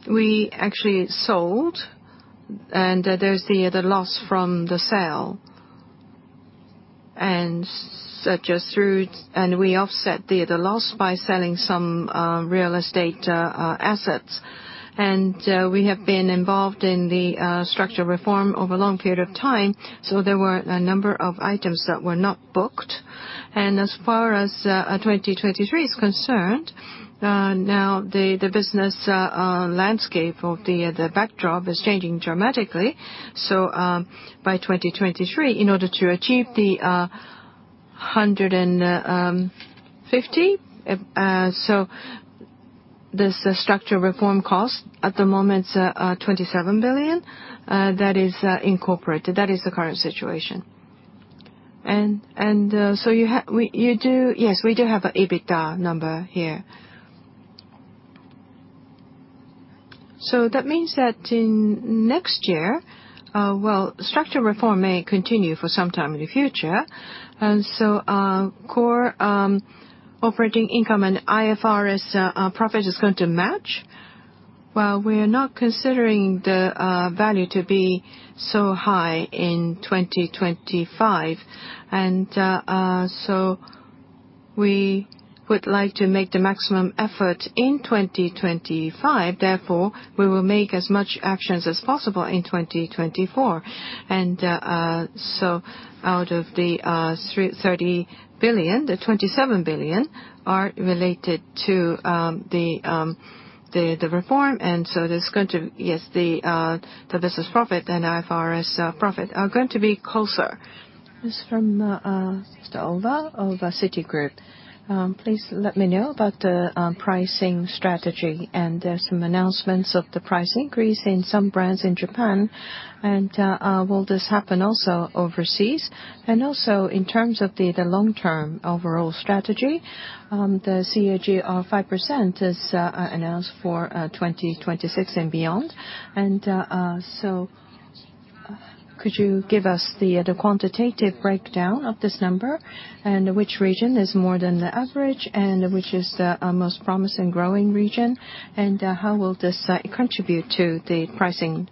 we actually sold, and there's the loss from the sale. We offset the loss by selling some real estate assets. We have been involved in the structural reform over a long period of time, there were a number of items that were not booked. As far as 2023 is concerned, now the business landscape or the backdrop is changing dramatically. By 2023, in order to achieve the 150 billion, the structural reform cost at the moment is 27 billion. That is incorporated. That is the current situation. Yes, we do have an EBITDA number here. That means that in next year, structural reform may continue for some time in the future. Core operating profit and IFRS profit is going to match. We're not considering the value to be so high in 2025. We would like to make the maximum effort in 2025, therefore, we will make as much actions as possible in 2024. Out of the 30 billion, the 27 billion are related to the reform. The business profit and IFRS profit are going to be closer. This from Sister Olga of Citigroup. Please let me know about the pricing strategy and some announcements of the price increase in some brands in Japan. Will this happen also overseas? Also, in terms of the long-term overall strategy, the CAGR of 5% is announced for 2026 and beyond.
Could you give us the quantitative breakdown of this number? Which region is more than the average, and which is the most promising growing region? How will this contribute to the pricing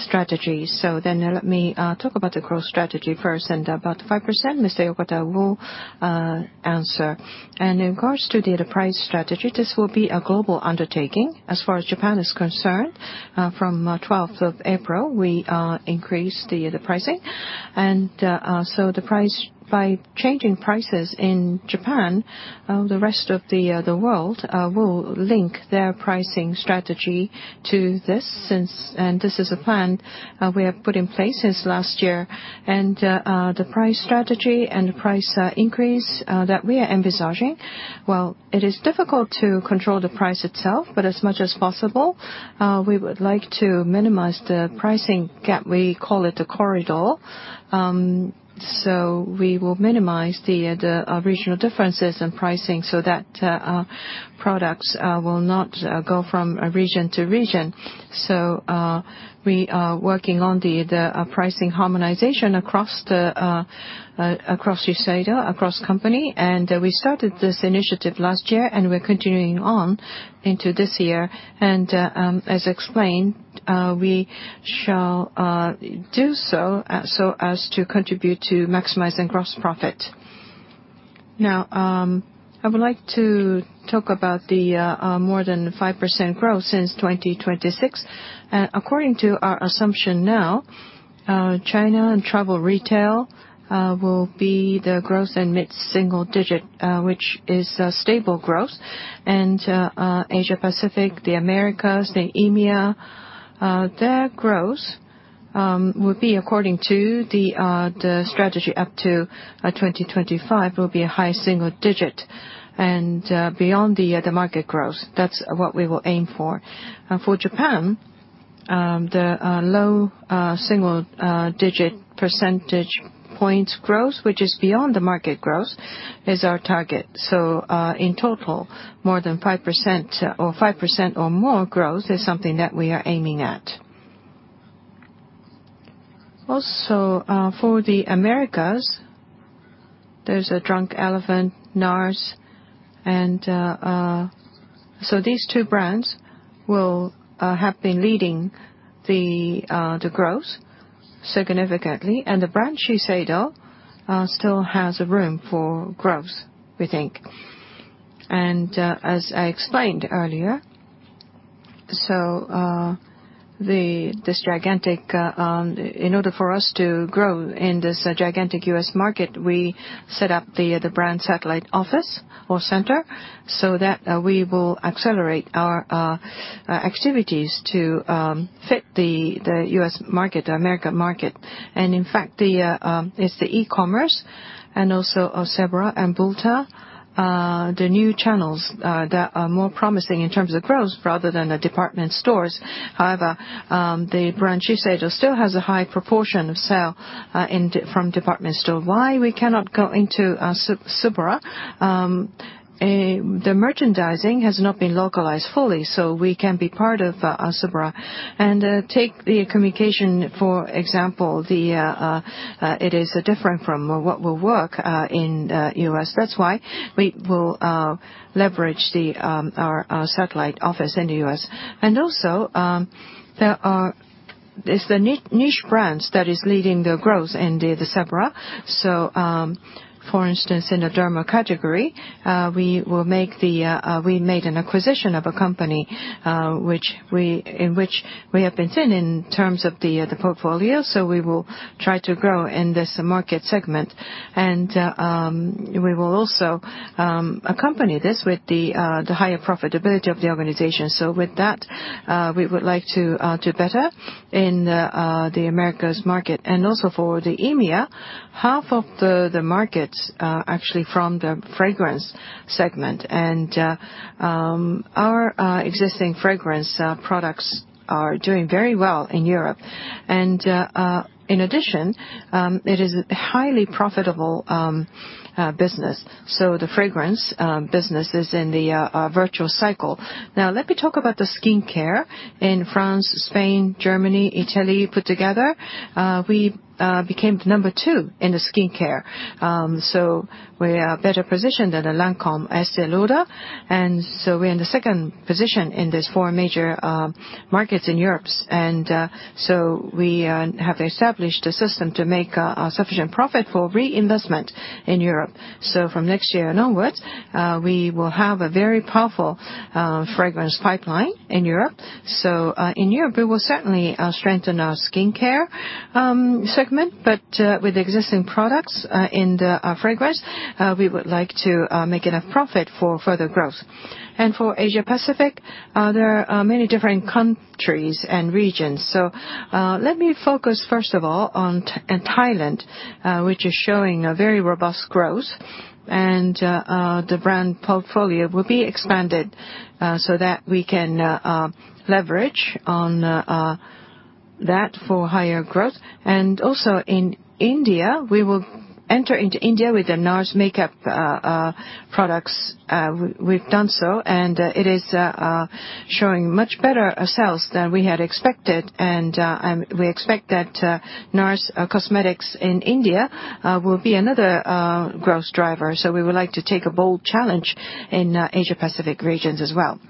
strategy? Let me talk about the growth strategy first and about the 5%, Mr. Yokota will answer. In regards to the price strategy, this will be a global undertaking. As far as Japan is concerned, from 12th of April, we increased the pricing. By changing prices in Japan, the rest of the world will link their pricing strategy to this, and this is a plan we have put in place since last year. The price strategy and the price increase that we are envisaging, well, it is difficult to control the price itself, but as much as possible, we would like to minimize the pricing gap.
We call it the corridor. We will minimize the regional differences in pricing so that products will not go from region to region. We are working on the pricing harmonization across Shiseido, across company, and we started this initiative last year, and we're continuing on into this year. As explained, we shall do so as to contribute to maximizing gross profit. I would like to talk about the more than 5% growth since 2026. According to our assumption now, China and travel retail will be the growth in mid-single digit, which is a stable growth. Asia Pacific, the Americas, the EMEA, their growth will be according to the strategy up to 2025, will be a high single digit and beyond the market growth. That's what we will aim for.
For Japan, the low single digit percentage points growth, which is beyond the market growth, is our target. In total, 5% or more growth is something that we are aiming at. For the Americas, there's a Drunk Elephant, NARS. These two brands have been leading the growth significantly. The brand Shiseido still has room for growth, we think. As I explained earlier, in order for us to grow in this gigantic U.S. market, we set up the brand satellite office or center so that we will accelerate our activities to fit the U.S. market, the American market. In fact, it's the e-commerce and also Sephora and Ulta, the new channels that are more promising in terms of growth rather than the department stores. However, the brand Shiseido still has a high proportion of sale from department store. Why we cannot go into Sephora?
The merchandising has not been localized fully, so we can be part of Sephora. Take the communication, for example, it is different from what will work in the U.S. That is why we will leverage our satellite office in the U.S. Also, it is the niche brands that is leading the growth in the Sephora. For instance, in the derma category, we made an acquisition of a company in which we have been thin in terms of the portfolio. We will try to grow in this market segment. We will also accompany this with the higher profitability of the organization. With that, we would like to do better in the Americas market. Also for the EMEA, half of the markets are actually from the fragrance segment. Our existing fragrance products are doing very well in Europe. In addition, it is a highly profitable business. The fragrance business is in the virtual cycle. Let me talk about the skincare in France, Spain, Germany, Italy, put together, we became number 2 in the skincare. We are better positioned than the Lancôme, Estée Lauder. We are in the second position in these four major markets in Europe. We have established a system to make a sufficient profit for reinvestment in Europe. From next year onwards, we will have a very powerful fragrance pipeline in Europe. In Europe, we will certainly strengthen our skincare segment, but with existing products in the fragrance, we would like to make enough profit for further growth. For Asia Pacific, there are many different countries and regions. Let me focus first of all on Thailand, which is showing a very robust growth, the brand portfolio will be expanded so that we can leverage on that for higher growth. Also in India, we will enter into India with the NARS makeup products. We have done so, it is showing much better sales than we had expected. We expect that NARS cosmetics in India will be another growth driver. We would like to take a bold challenge in Asia Pacific regions as well.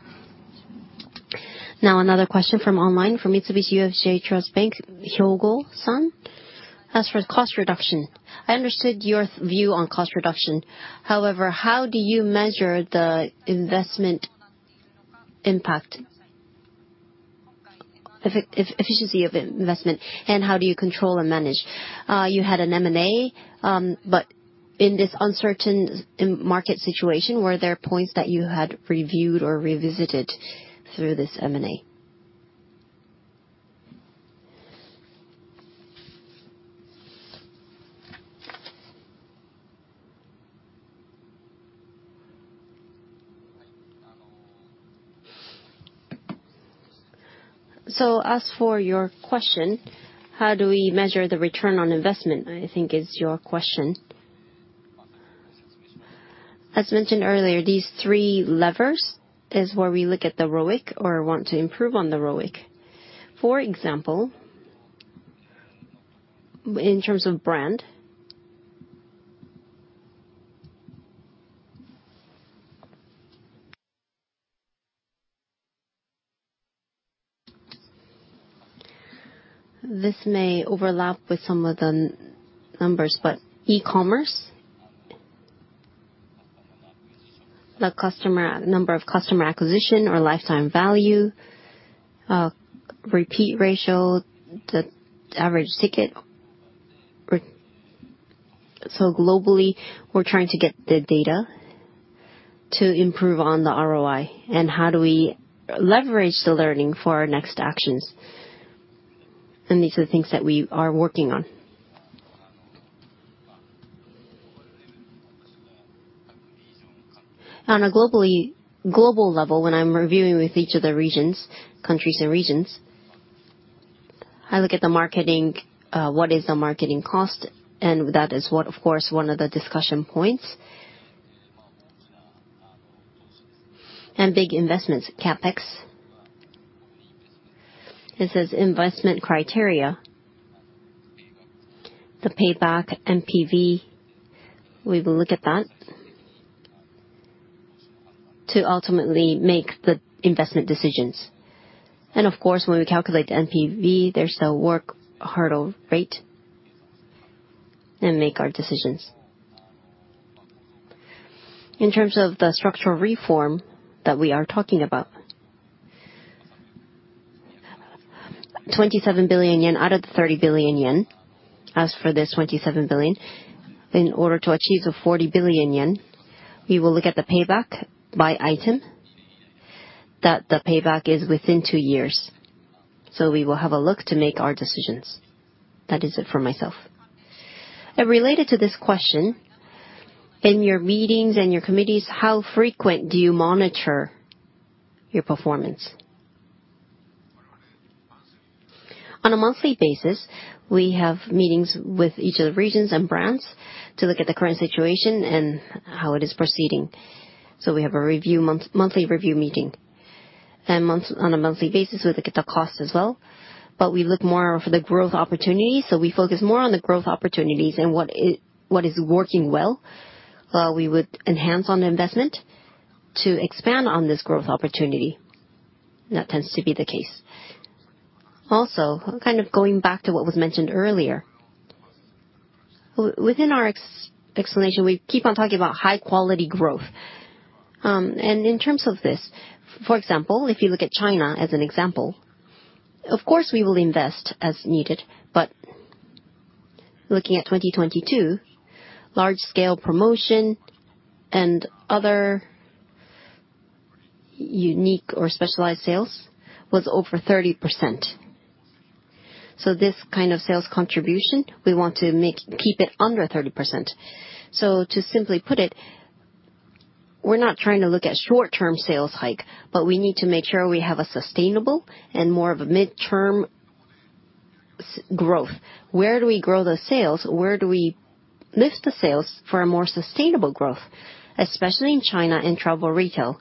Another question from online, from Mitsubishi UFJ Trust Bank, Hyogo-san. As for cost reduction, I understood your view on cost reduction. However, how do you measure the investment impact, efficiency of investment, and how do you control and manage? You had an M&A, but in this uncertain market situation, were there points that you had reviewed or revisited through this M&A?
As for your question, how do we measure the return on investment, I think is your question. As mentioned earlier, these three levers is where we look at the ROIC or want to improve on the ROIC. For example, in terms of brand. This may overlap with some of the numbers, but e-commerce, the number of customer acquisition or lifetime value, repeat ratio, the average ticket. Globally, we're trying to get the data to improve on the ROI, and how do we leverage the learning for our next actions? These are the things that we are working on. On a global level, when I'm reviewing with each of the countries and regions, I look at the marketing, what is the marketing cost, that is, of course, one of the discussion points.
Big investments, CapEx. It says investment criteria. The payback NPV, we will look at that to ultimately make the investment decisions. Of course, when we calculate the NPV, there's a work hurdle rate and make our decisions. In terms of the structural reform that we are talking about, 27 billion yen out of the 30 billion yen. As for this 27 billion, in order to achieve a 40 billion yen, we will look at the payback by item, that the payback is within two years. We will have a look to make our decisions. That is it for myself. Related to this question, in your meetings and your committees, how frequent do you monitor your performance? On a monthly basis, we have meetings with each of the regions and brands to look at the current situation and how it is proceeding. We have a monthly review meeting. On a monthly basis, we look at the cost as well, but we look more for the growth opportunities. We focus more on the growth opportunities and what is working well. We would enhance on the investment to expand on this growth opportunity. That tends to be the case. Kind of going back to what was mentioned earlier, within our explanation, we keep on talking about high-quality growth. In terms of this, for example, if you look at China as an example, of course, we will invest as needed. Looking at 2022, large-scale promotion and other unique or specialized sales was over 30%. This kind of sales contribution, we want to keep it under 30%. To simply put it, we're not trying to look at short-term sales hike, but we need to make sure we have a sustainable and more of a mid-term growth. Where do we grow those sales? Where do we lift the sales for a more sustainable growth, especially in China and travel retail?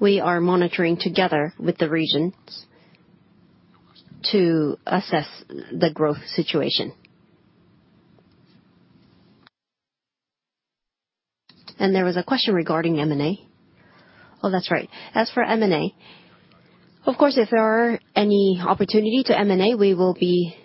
We are monitoring together with the regions to assess the growth situation. There was a question regarding M&A. Oh, that's right. As for M&A, of course, if there are any opportunity to M&A, we will be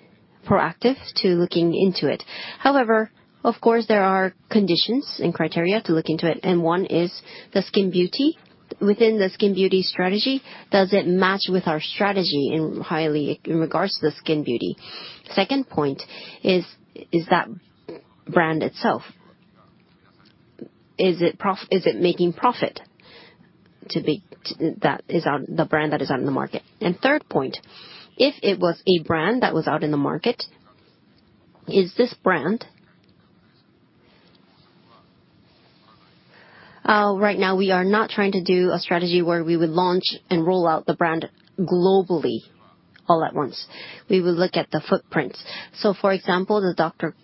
proactive to looking into it. However, of course, there are conditions and criteria to look into it, and one is the skin beauty. Within the skin beauty strategy, does it match with our strategy in regards to the skin beauty? Second point is that brand itself, is it making profit? The brand that is out in the market. Third point, if it was a brand that was out in the market, is this brand. Right now we are not trying to do a strategy where we would launch and roll out the brand globally all at once. We will look at the footprints. For example, the Dr.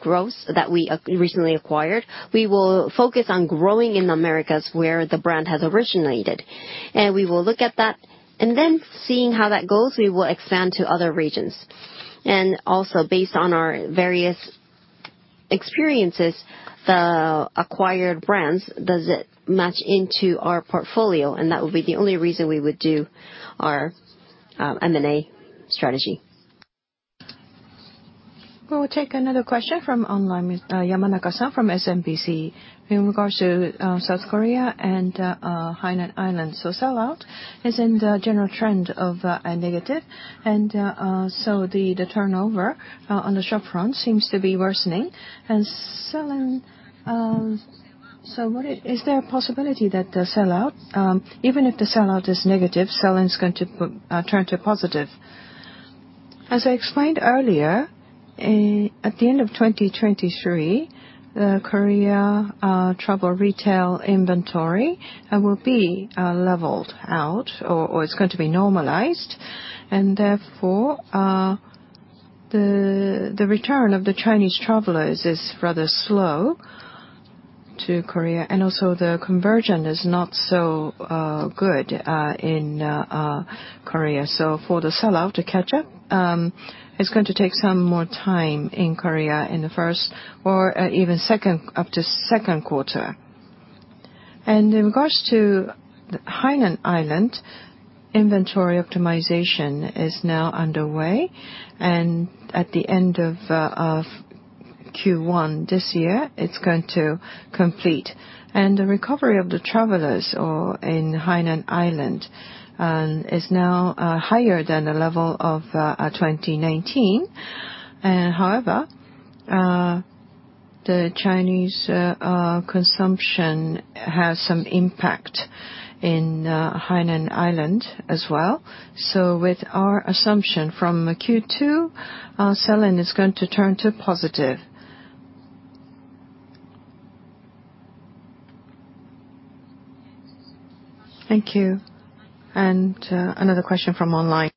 Gross that we recently acquired, we will focus on growing in the Americas where the brand has originated. We will look at that, then seeing how that goes, we will expand to other regions. Also based on our various experiences, the acquired brands, does it match into our portfolio? That would be the only reason we would do our M&A strategy.
We'll take another question from online. Yamanaka-san from SMBC. In regards to South Korea and Hainan Island. Sell-out is in the general trend of a negative, the turnover on the shop front seems to be worsening. Sell-in, is there a possibility that the sell-out, even if the sell-out is negative, sell-in is going to turn to positive? As I explained earlier, at the end of 2023, the Korea travel retail inventory will be leveled out, or it's going to be normalized. Therefore, the return of the Chinese travelers is rather slow to Korea, also the conversion is not so good in Korea. For the sell-out to catch up, it's going to take some more time in Korea in the first or even up to second quarter. In regards to Hainan Island, inventory optimization is now underway, at the end of Q1 this year, it's going to complete. The recovery of the travelers in Hainan Island is now higher than the level of 2019. However, the Chinese consumption has some impact in Hainan Island as well. With our assumption from Q2, our sell-in is going to turn to positive. Thank you. Another question from online.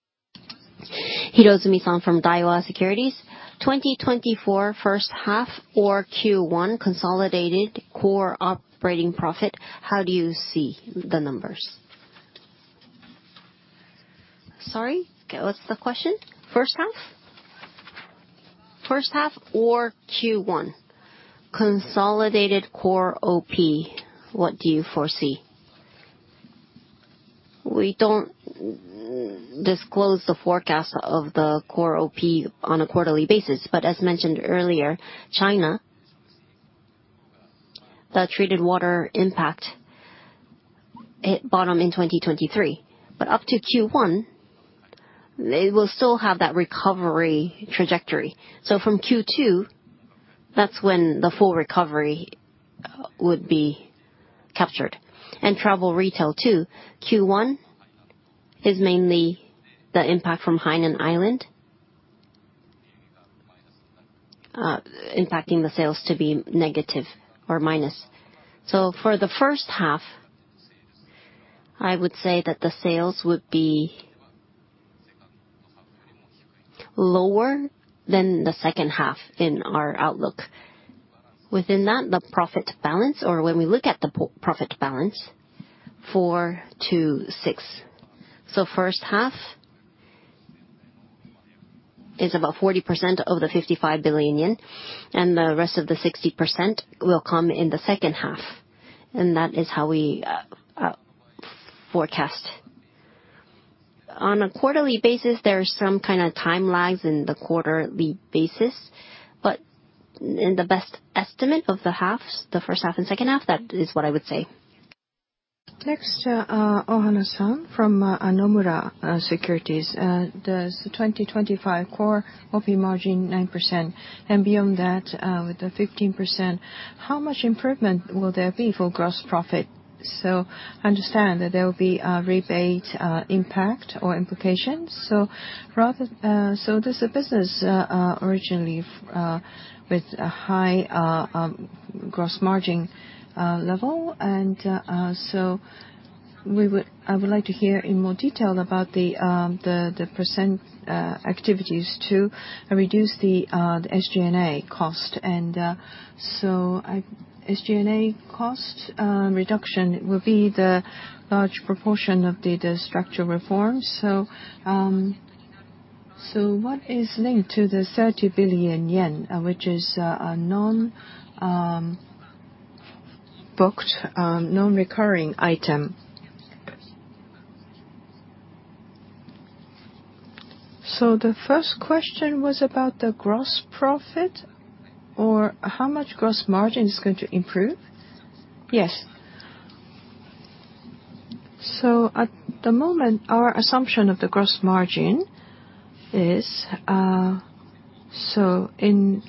Hirosumi-san from Daiwa Securities. 2024 first half or Q1 consolidated core operating profit, how do you see the numbers? Sorry, what's the question? First half? First half or Q1, consolidated core OP, what do you foresee? We don't disclose the forecast of the core OP on a quarterly basis. As mentioned earlier, China, the treated water impact hit bottom in 2023. Up to Q1, they will still have that recovery trajectory. From Q2, that's when the full recovery would be captured. Travel retail too. Q1 is mainly the impact from Hainan Island, impacting the sales to be negative or minus. For the first half, I would say that the sales would be lower than the second half in our outlook. Within that, the profit balance, or when we look at the profit balance, four to six. First half is about 40% of the 55 billion yen, the rest of the 60% will come in the second half. That is how we forecast. On a quarterly basis, there is some kind of time lags in the quarterly basis. In the best estimate of the halves, the first half and second half, that is what I would say.
Next, Ohana-san from Nomura Securities. Does the 2025 core OP margin 9% and beyond that, with the 15%, how much improvement will there be for gross profit? Understand that there will be a rebate impact or implications. This business, originally, with a high gross margin level, I would like to hear in more detail about the percentage activities to reduce the SG&A cost. SG&A cost reduction will be the large proportion of the structural reforms. What is linked to the 30 billion yen, which is a non-booked, non-recurring item?
The first question was about the gross profit or how much gross margin is going to improve?
Yes.
At the moment, our assumption of the gross margin is, so it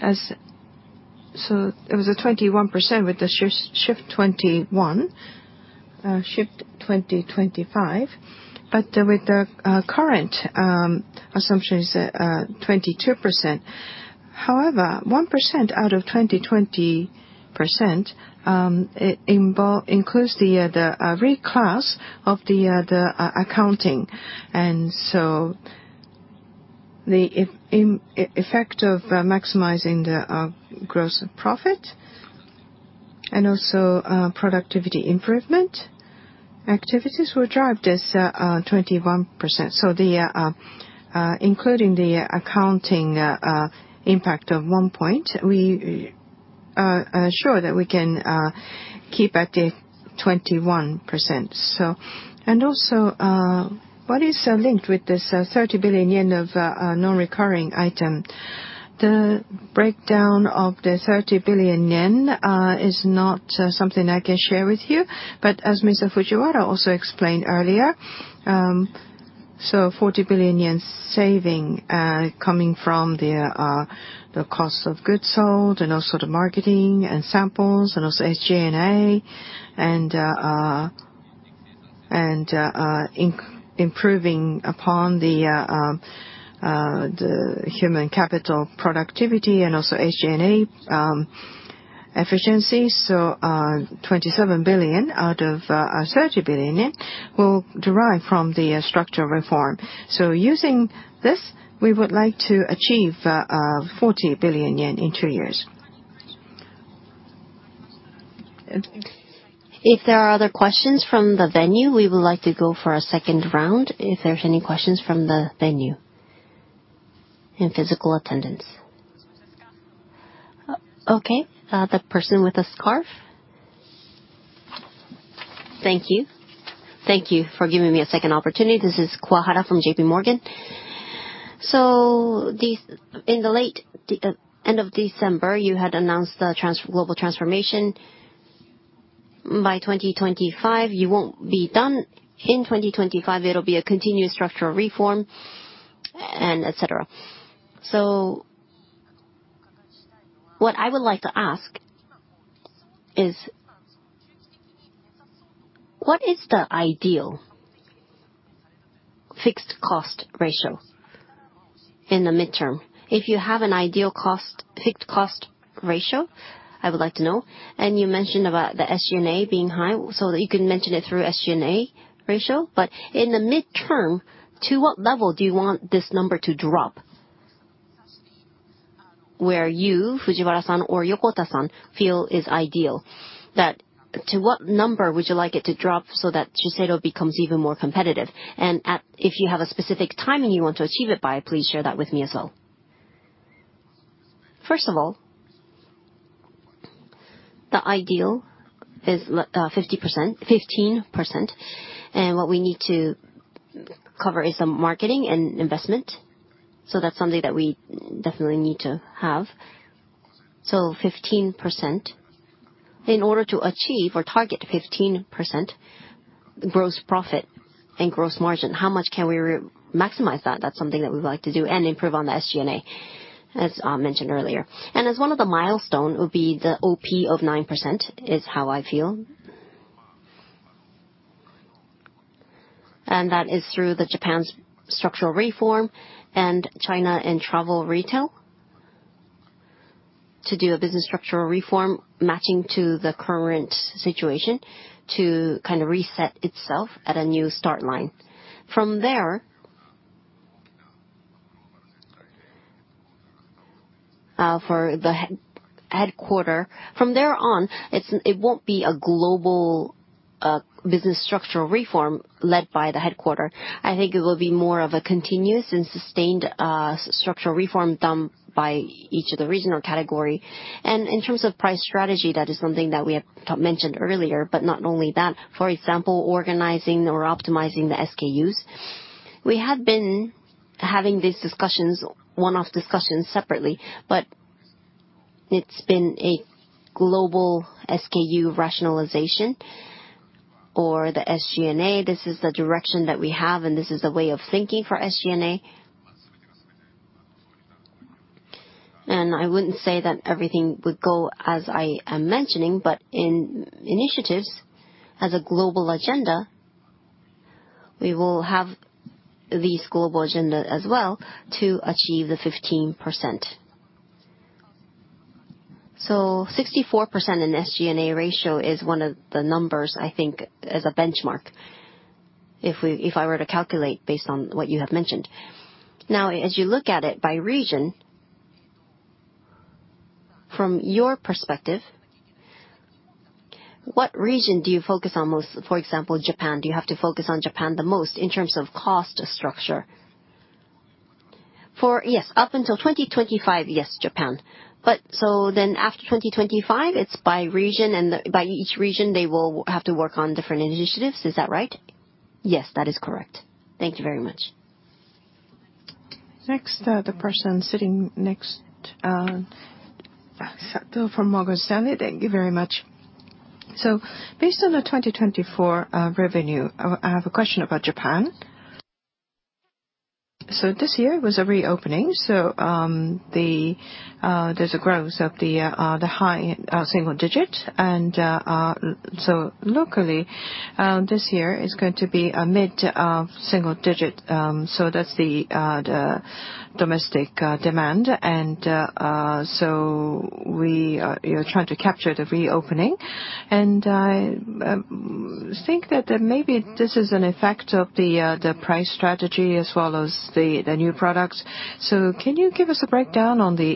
was at 21% with the SHIFT 2025, but with the current assumption is at 22%. However, 1% out of 2020% includes the reclass of the accounting. The effect of maximizing the gross profit and also productivity improvement activities will drive this 21%. Including the accounting impact of one point, we are sure that we can keep at the 21%.
What is linked with this 30 billion yen of non-recurring item?
The breakdown of the 30 billion yen is not something I can share with you. As Mr. Fujiwara also explained earlier, 40 billion yen saving, coming from the cost of goods sold and also the marketing and samples and also SG&A. Improving upon the human capital productivity and also SG&A efficiency. 27 billion out of 30 billion will derive from the structural reform. Using this, we would like to achieve 40 billion yen in two years.
If there are other questions from the venue, we would like to go for a second round. If there are any questions from the venue in physical attendance.
Okay.
The person with the scarf.
Thank you. Thank you for giving me a second opportunity. This is Akiko from JP Morgan. In the end of December, you had announced the global transformation. By 2025, you won't be done. In 2025, it'll be a continuous structural reform and et cetera. What I would like to ask is, what is the ideal fixed cost ratio in the midterm. If you have an ideal fixed cost ratio, I would like to know. You mentioned about the SG&A being high, you can mention it through SG&A ratio. In the midterm, to what level do you want this number to drop? Where you, Fujiwara-san or Yokota-san, feel is ideal. That to what number would you like it to drop so that Shiseido becomes even more competitive?
If you have a specific timing you want to achieve it by, please share that with me as well. First of all, the ideal is 15%. What we need to cover is some marketing and investment. That's something that we definitely need to have. 15%. In order to achieve or target 15% gross profit and gross margin, how much can we maximize that? That's something that we would like to do and improve on the SG&A, as I mentioned earlier. As one of the milestones would be the OP of 9%, is how I feel. That is through the Japan's structural reform and China and travel retail, to do a business structural reform matching to the current situation to kind of reset itself at a new start line. From there on, it won't be a global business structural reform led by the headquarter. I think it will be more of a continuous and sustained structural reform done by each of the regional category. In terms of price strategy, that is something that we have mentioned earlier. Not only that, for example, organizing or optimizing the SKUs. We have been having these discussions, one-off discussions separately, but it's been a global SKU rationalization or the SG&A. This is the direction that we have. This is the way of thinking for SG&A. I wouldn't say that everything would go as I am mentioning, but in initiatives as a global agenda, we will have these global agenda as well to achieve the 15%. 64% in SG&A ratio is one of the numbers, I think, as a benchmark, if I were to calculate based on what you have mentioned.
As you look at it by region, from your perspective, what region do you focus on most? For example, Japan, do you have to focus on Japan the most in terms of cost structure? For, yes, up until 2025, yes, Japan. After 2025, it's by region, by each region, they will have to work on different initiatives. Is that right? Yes, that is correct. Thank you very much.
Next, the person sitting next. Satou from Morgan Stanley. Thank you very much. Based on the 2024 revenue, I have a question about Japan. This year was a reopening, there's a growth of the high single-digit. Locally, this year is going to be a mid-single-digit. That's the domestic demand. We are trying to capture the reopening, and I think that maybe this is an effect of the price strategy as well as the new products. Can you give us a breakdown on the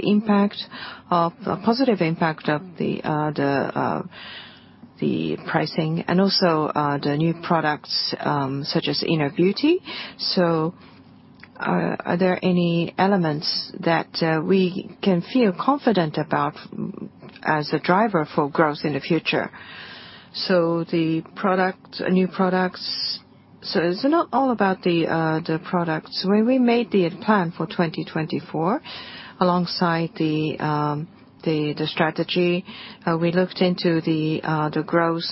positive impact of the pricing and also the new products, such as inner beauty? Are there any elements that we can feel confident about as a driver for growth in the future?
The new products, it's not all about the products. When we made the plan for 2024, alongside the strategy, we looked into the growth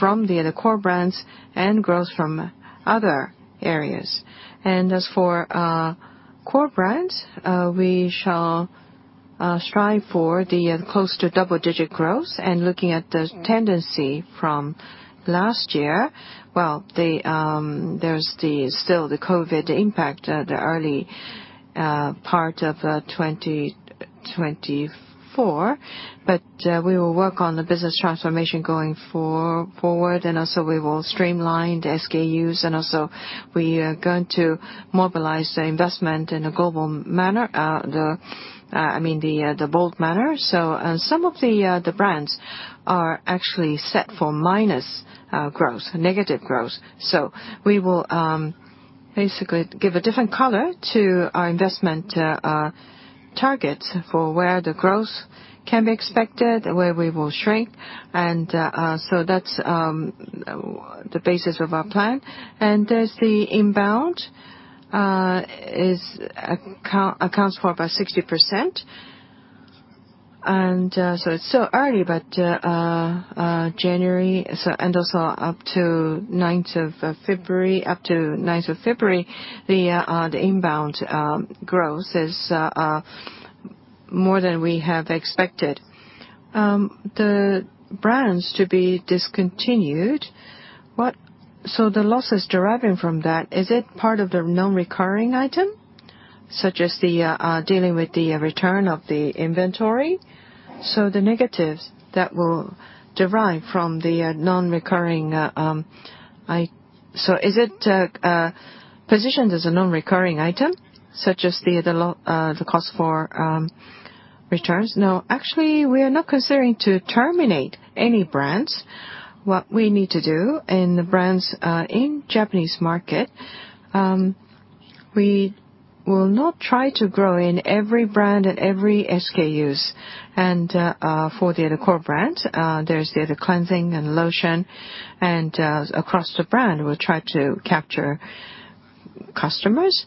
from the other core brands and growth from other areas. As for core brands, we shall strive for the close to double-digit growth. Looking at the tendency from last year, well, there's still the COVID impact at the early part of 2024. We will work on the business transformation going forward, we will streamline the SKUs, and we are going to mobilize the investment in a bold manner. Some of the brands are actually set for minus growth, negative growth. We will basically give a different color to our investment target for where the growth can be expected, where we will shrink. That's the basis of our plan. As the inbound accounts for about 60%. It's still early, but January, and up to 9th of February, the inbound growth is
More than we have expected. The brands to be discontinued, the losses deriving from that, is it part of the non-recurring item, such as dealing with the return of the inventory? The negatives that will derive from the non-recurring. Is it positioned as a non-recurring item, such as the cost for returns? No. Actually, we are not considering to terminate any brands. What we need to do in the brands in Japanese market, we will not try to grow in every brand and every SKUs. For the other core brands, there's the other cleansing and lotion, and across the brand, we'll try to capture customers.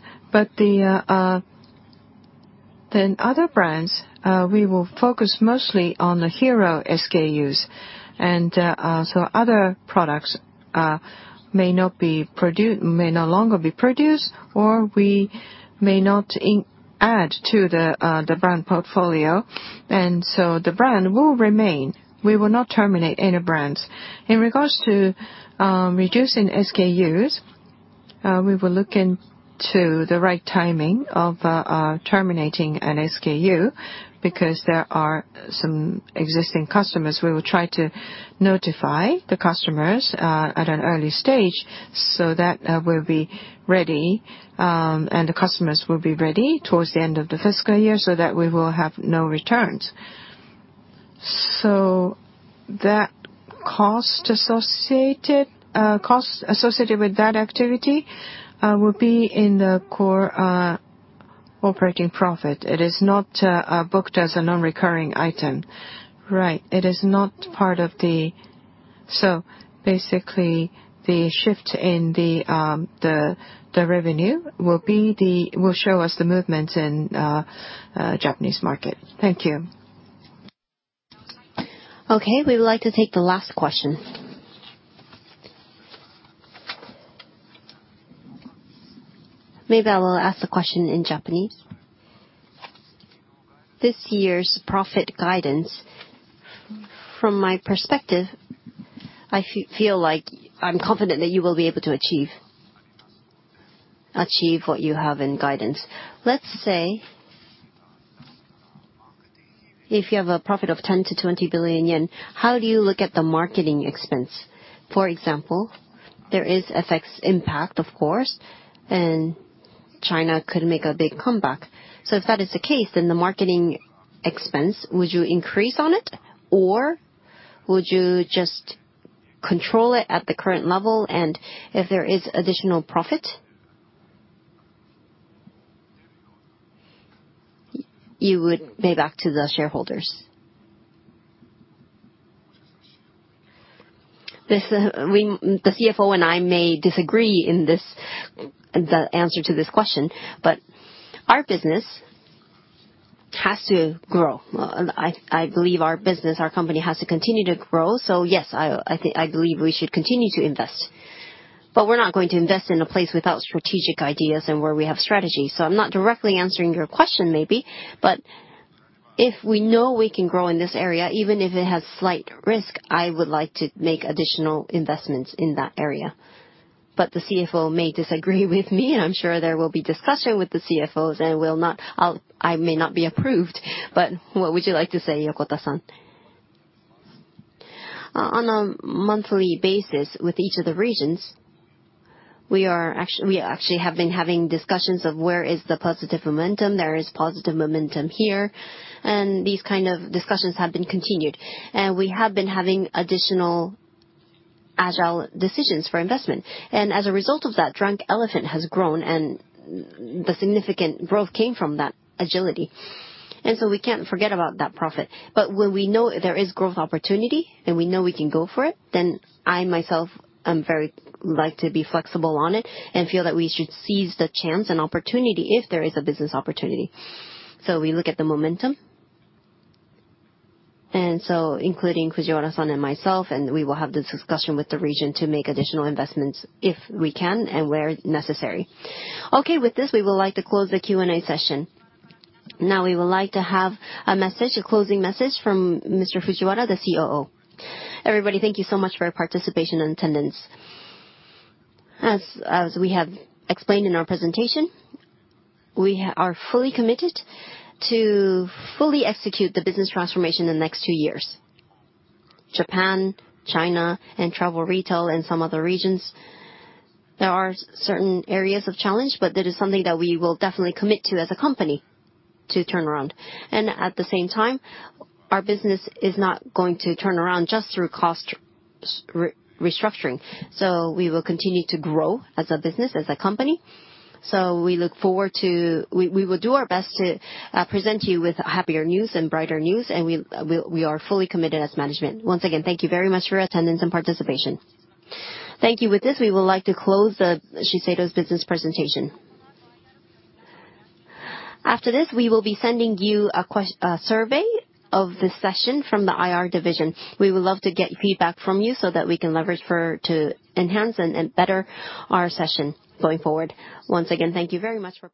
Other brands, we will focus mostly on the hero SKUs. Other products may no longer be produced, or we may not add to the brand portfolio. The brand will remain.
We will not terminate any brands. In regards to reducing SKUs, we will look into the right timing of terminating an SKU because there are some existing customers. We will try to notify the customers at an early stage so that we will be ready, and the customers will be ready towards the end of the fiscal year so that we will have no returns. Cost associated with that activity will be in the core operating profit. It is not booked as a non-recurring item. Right. Basically, the shift in the revenue will show us the movement in Japanese market. Thank you. Okay, we would like to take the last question. Maybe I will ask the question in Japanese. This year's profit guidance, from my perspective, I feel like I am confident that you will be able to achieve what you have in guidance. Let's say if you have a profit of 10 billion-20 billion yen, how do you look at the marketing expense? For example, there is effects impact, of course, and China could make a big comeback. If that is the case, then the marketing expense, would you increase on it? Or would you just control it at the current level, and if there is additional profit, you would pay back to the shareholders? The CFO and I may disagree in the answer to this question, our business has to grow. I believe our business, our company, has to continue to grow. Yes, I believe we should continue to invest. We are not going to invest in a place without strategic ideas and where we have strategy. I am not directly answering your question, maybe. If we know we can grow in this area, even if it has slight risk, I would like to make additional investments in that area. The CFO may disagree with me, and I am sure there will be discussion with the CFOs, and I may not be approved. What would you like to say, Yokota-san? On a monthly basis with each of the regions, we actually have been having discussions of where is the positive momentum. There is positive momentum here, and these kind of discussions have been continued. We have been having additional agile decisions for investment. As a result of that, Drunk Elephant has grown, and the significant growth came from that agility. We can't forget about that profit. When we know there is growth opportunity and we know we can go for it, then I, myself, like to be flexible on it and feel that we should seize the chance and opportunity if there is a business opportunity. We look at the momentum. Including Fujiwara-san and myself, we will have this discussion with the region to make additional investments if we can, and where necessary. Okay, with this, we would like to close the Q&A session. Now we would like to have a message, a closing message from Mr. Fujiwara, the COO. Everybody, thank you so much for your participation and attendance. As we have explained in our presentation, we are fully committed to fully execute the business transformation in the next two years. Japan, China, and travel retail and some other regions, there are certain areas of challenge, but that is something that we will definitely commit to as a company to turn around. At the same time, our business is not going to turn around just through cost restructuring. We will continue to grow as a business, as a company. We will do our best to present you with happier news and brighter news, and we are fully committed as management. Once again, thank you very much for your attendance and participation. Thank you. With this, we would like to close the Shiseido's business presentation. After this, we will be sending you a survey of this session from the IR division. We would love to get feedback from you so that we can leverage to enhance and better our session going forward. Once again, thank you very much for.